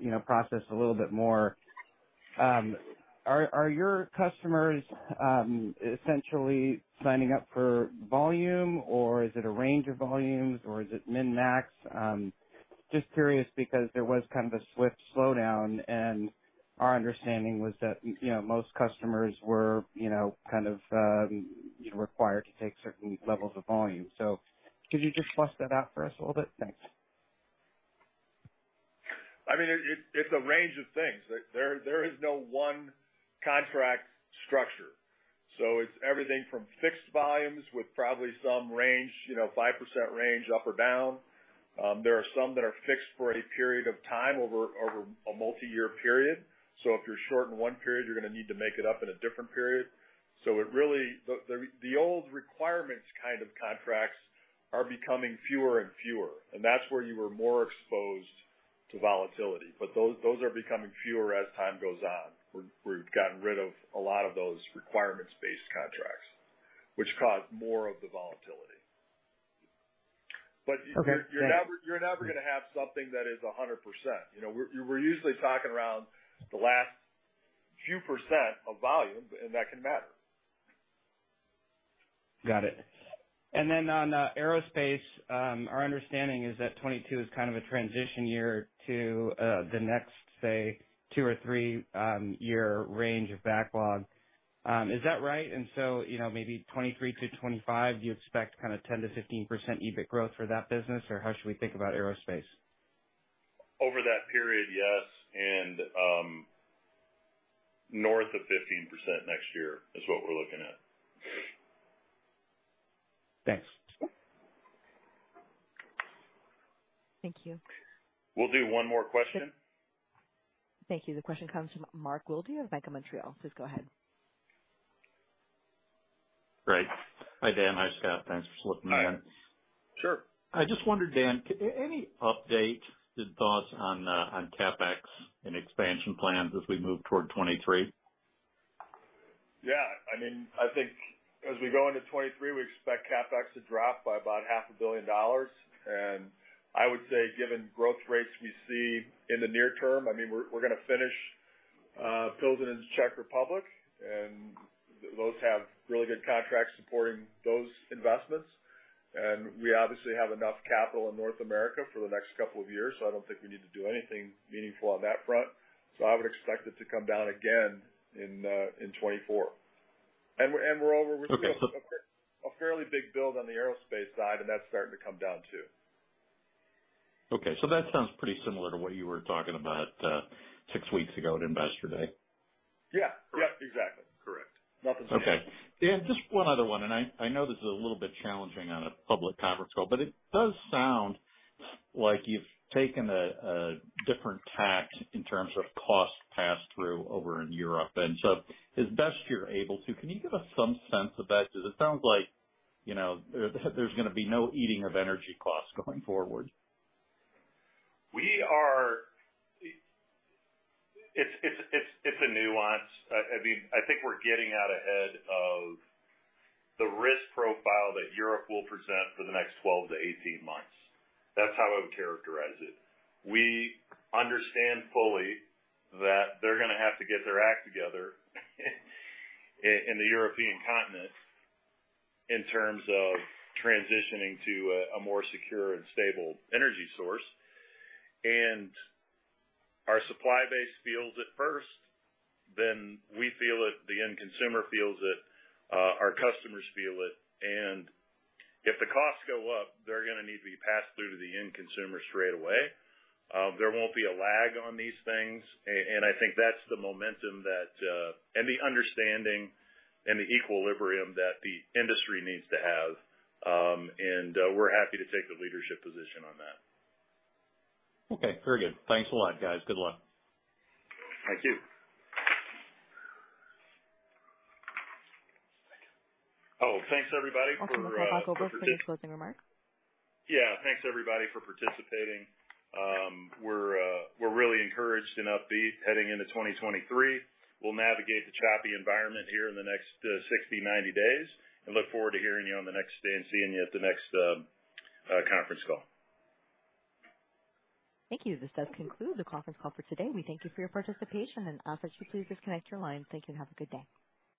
Speaker 15: you know, process a little bit more. Are your customers essentially signing up for volume or is it a range of volumes or is it min-max? Just curious because there was kind of a swift slowdown, and our understanding was that, you know, most customers were, you know, kind of, you know, required to take certain levels of volume. Could you just flesh that out for us a little bit? Thanks.
Speaker 3: I mean, it's a range of things. There is no one contract structure, so it's everything from fixed volumes with probably some range, you know, 5% range up or down. There are some that are fixed for a period of time over a multiyear period. If you're short in one period, you're gonna need to make it up in a different period. It really, the old requirements kind of contracts are becoming fewer and fewer, and that's where you were more exposed to volatility. Those are becoming fewer as time goes on. We've gotten rid of a lot of those requirements-based contracts which cause more of the volatility.
Speaker 15: Okay.
Speaker 3: You're never gonna have something that is 100%. You know, we're usually talking around the last few% of volume, and that can matter.
Speaker 15: Got it. Then on aerospace, our understanding is that 2022 is kind of a transition year to the next, say, two or three year range of backlog. Is that right? You know, maybe 2023 to 2025, do you expect kind of 10%-15% EBIT growth for that business, or how should we think about aerospace?
Speaker 3: Over that period, yes, and north of 15% next year is what we're looking at.
Speaker 15: Thanks.
Speaker 1: Thank you.
Speaker 3: We'll do one more question.
Speaker 1: Thank you. The question comes from Mark Wilde of Bank of Montreal. Please go ahead.
Speaker 16: Great. Hi, Dan. Hi, Scott. Thanks for slipping me on.
Speaker 3: Sure.
Speaker 16: I just wondered, Dan, any update and thoughts on CapEx and expansion plans as we move toward 2023?
Speaker 2: Yeah. I mean, I think as we go into 2023, we expect CapEx to drop by about $0.5 billion. I would say, given growth rates we see in the near term, I mean, we're gonna finish building in the Czech Republic, and those have really good contracts supporting those investments. We obviously have enough capital in North America for the next couple of years, so I don't think we need to do anything meaningful on that front. I would expect it to come down again in 2024.
Speaker 16: Okay.
Speaker 2: A fairly big build on the aerospace side, and that's starting to come down too.
Speaker 16: That sounds pretty similar to what you were talking about six weeks ago at Investor Day.
Speaker 2: Yeah. Yep, exactly. Correct. Nothing's changed.
Speaker 16: Okay. Dan, just one other one. I know this is a little bit challenging on a public conference call, but it does sound like you've taken a different tack in terms of cost pass-through over in Europe. As best you're able to, can you give us some sense of that? Because it sounds like, you know, there's gonna be no eating of energy costs going forward.
Speaker 3: It's a nuance. I mean, I think we're getting out ahead of the risk profile that Europe will present for the next 12-18 months. That's how I would characterize it. We understand fully that they're gonna have to get their act together in the European continent in terms of transitioning to a more secure and stable energy source. Our supply base feels it first, then we feel it, the end consumer feels it, our customers feel it. If the costs go up, they're gonna need to be passed through to the end consumer straight away. There won't be a lag on these things. I think that's the momentum that and the understanding and the equilibrium that the industry needs to have. We're happy to take the leadership position on that.
Speaker 16: Okay, very good. Thanks a lot, guys. Good luck.
Speaker 3: Thank you. Oh, thanks, everybody for participating.
Speaker 1: Operator, Dan will give closing remarks.
Speaker 2: Yeah. Thanks, everybody, for participating. We're really encouraged and upbeat heading into 2023. We'll navigate the choppy environment here in the next 60, 90 days and look forward to hearing you on the next day and seeing you at the next conference call.
Speaker 1: Thank you. This does conclude the conference call for today. We thank you for your participation and ask that you please disconnect your line. Thank you and have a good day.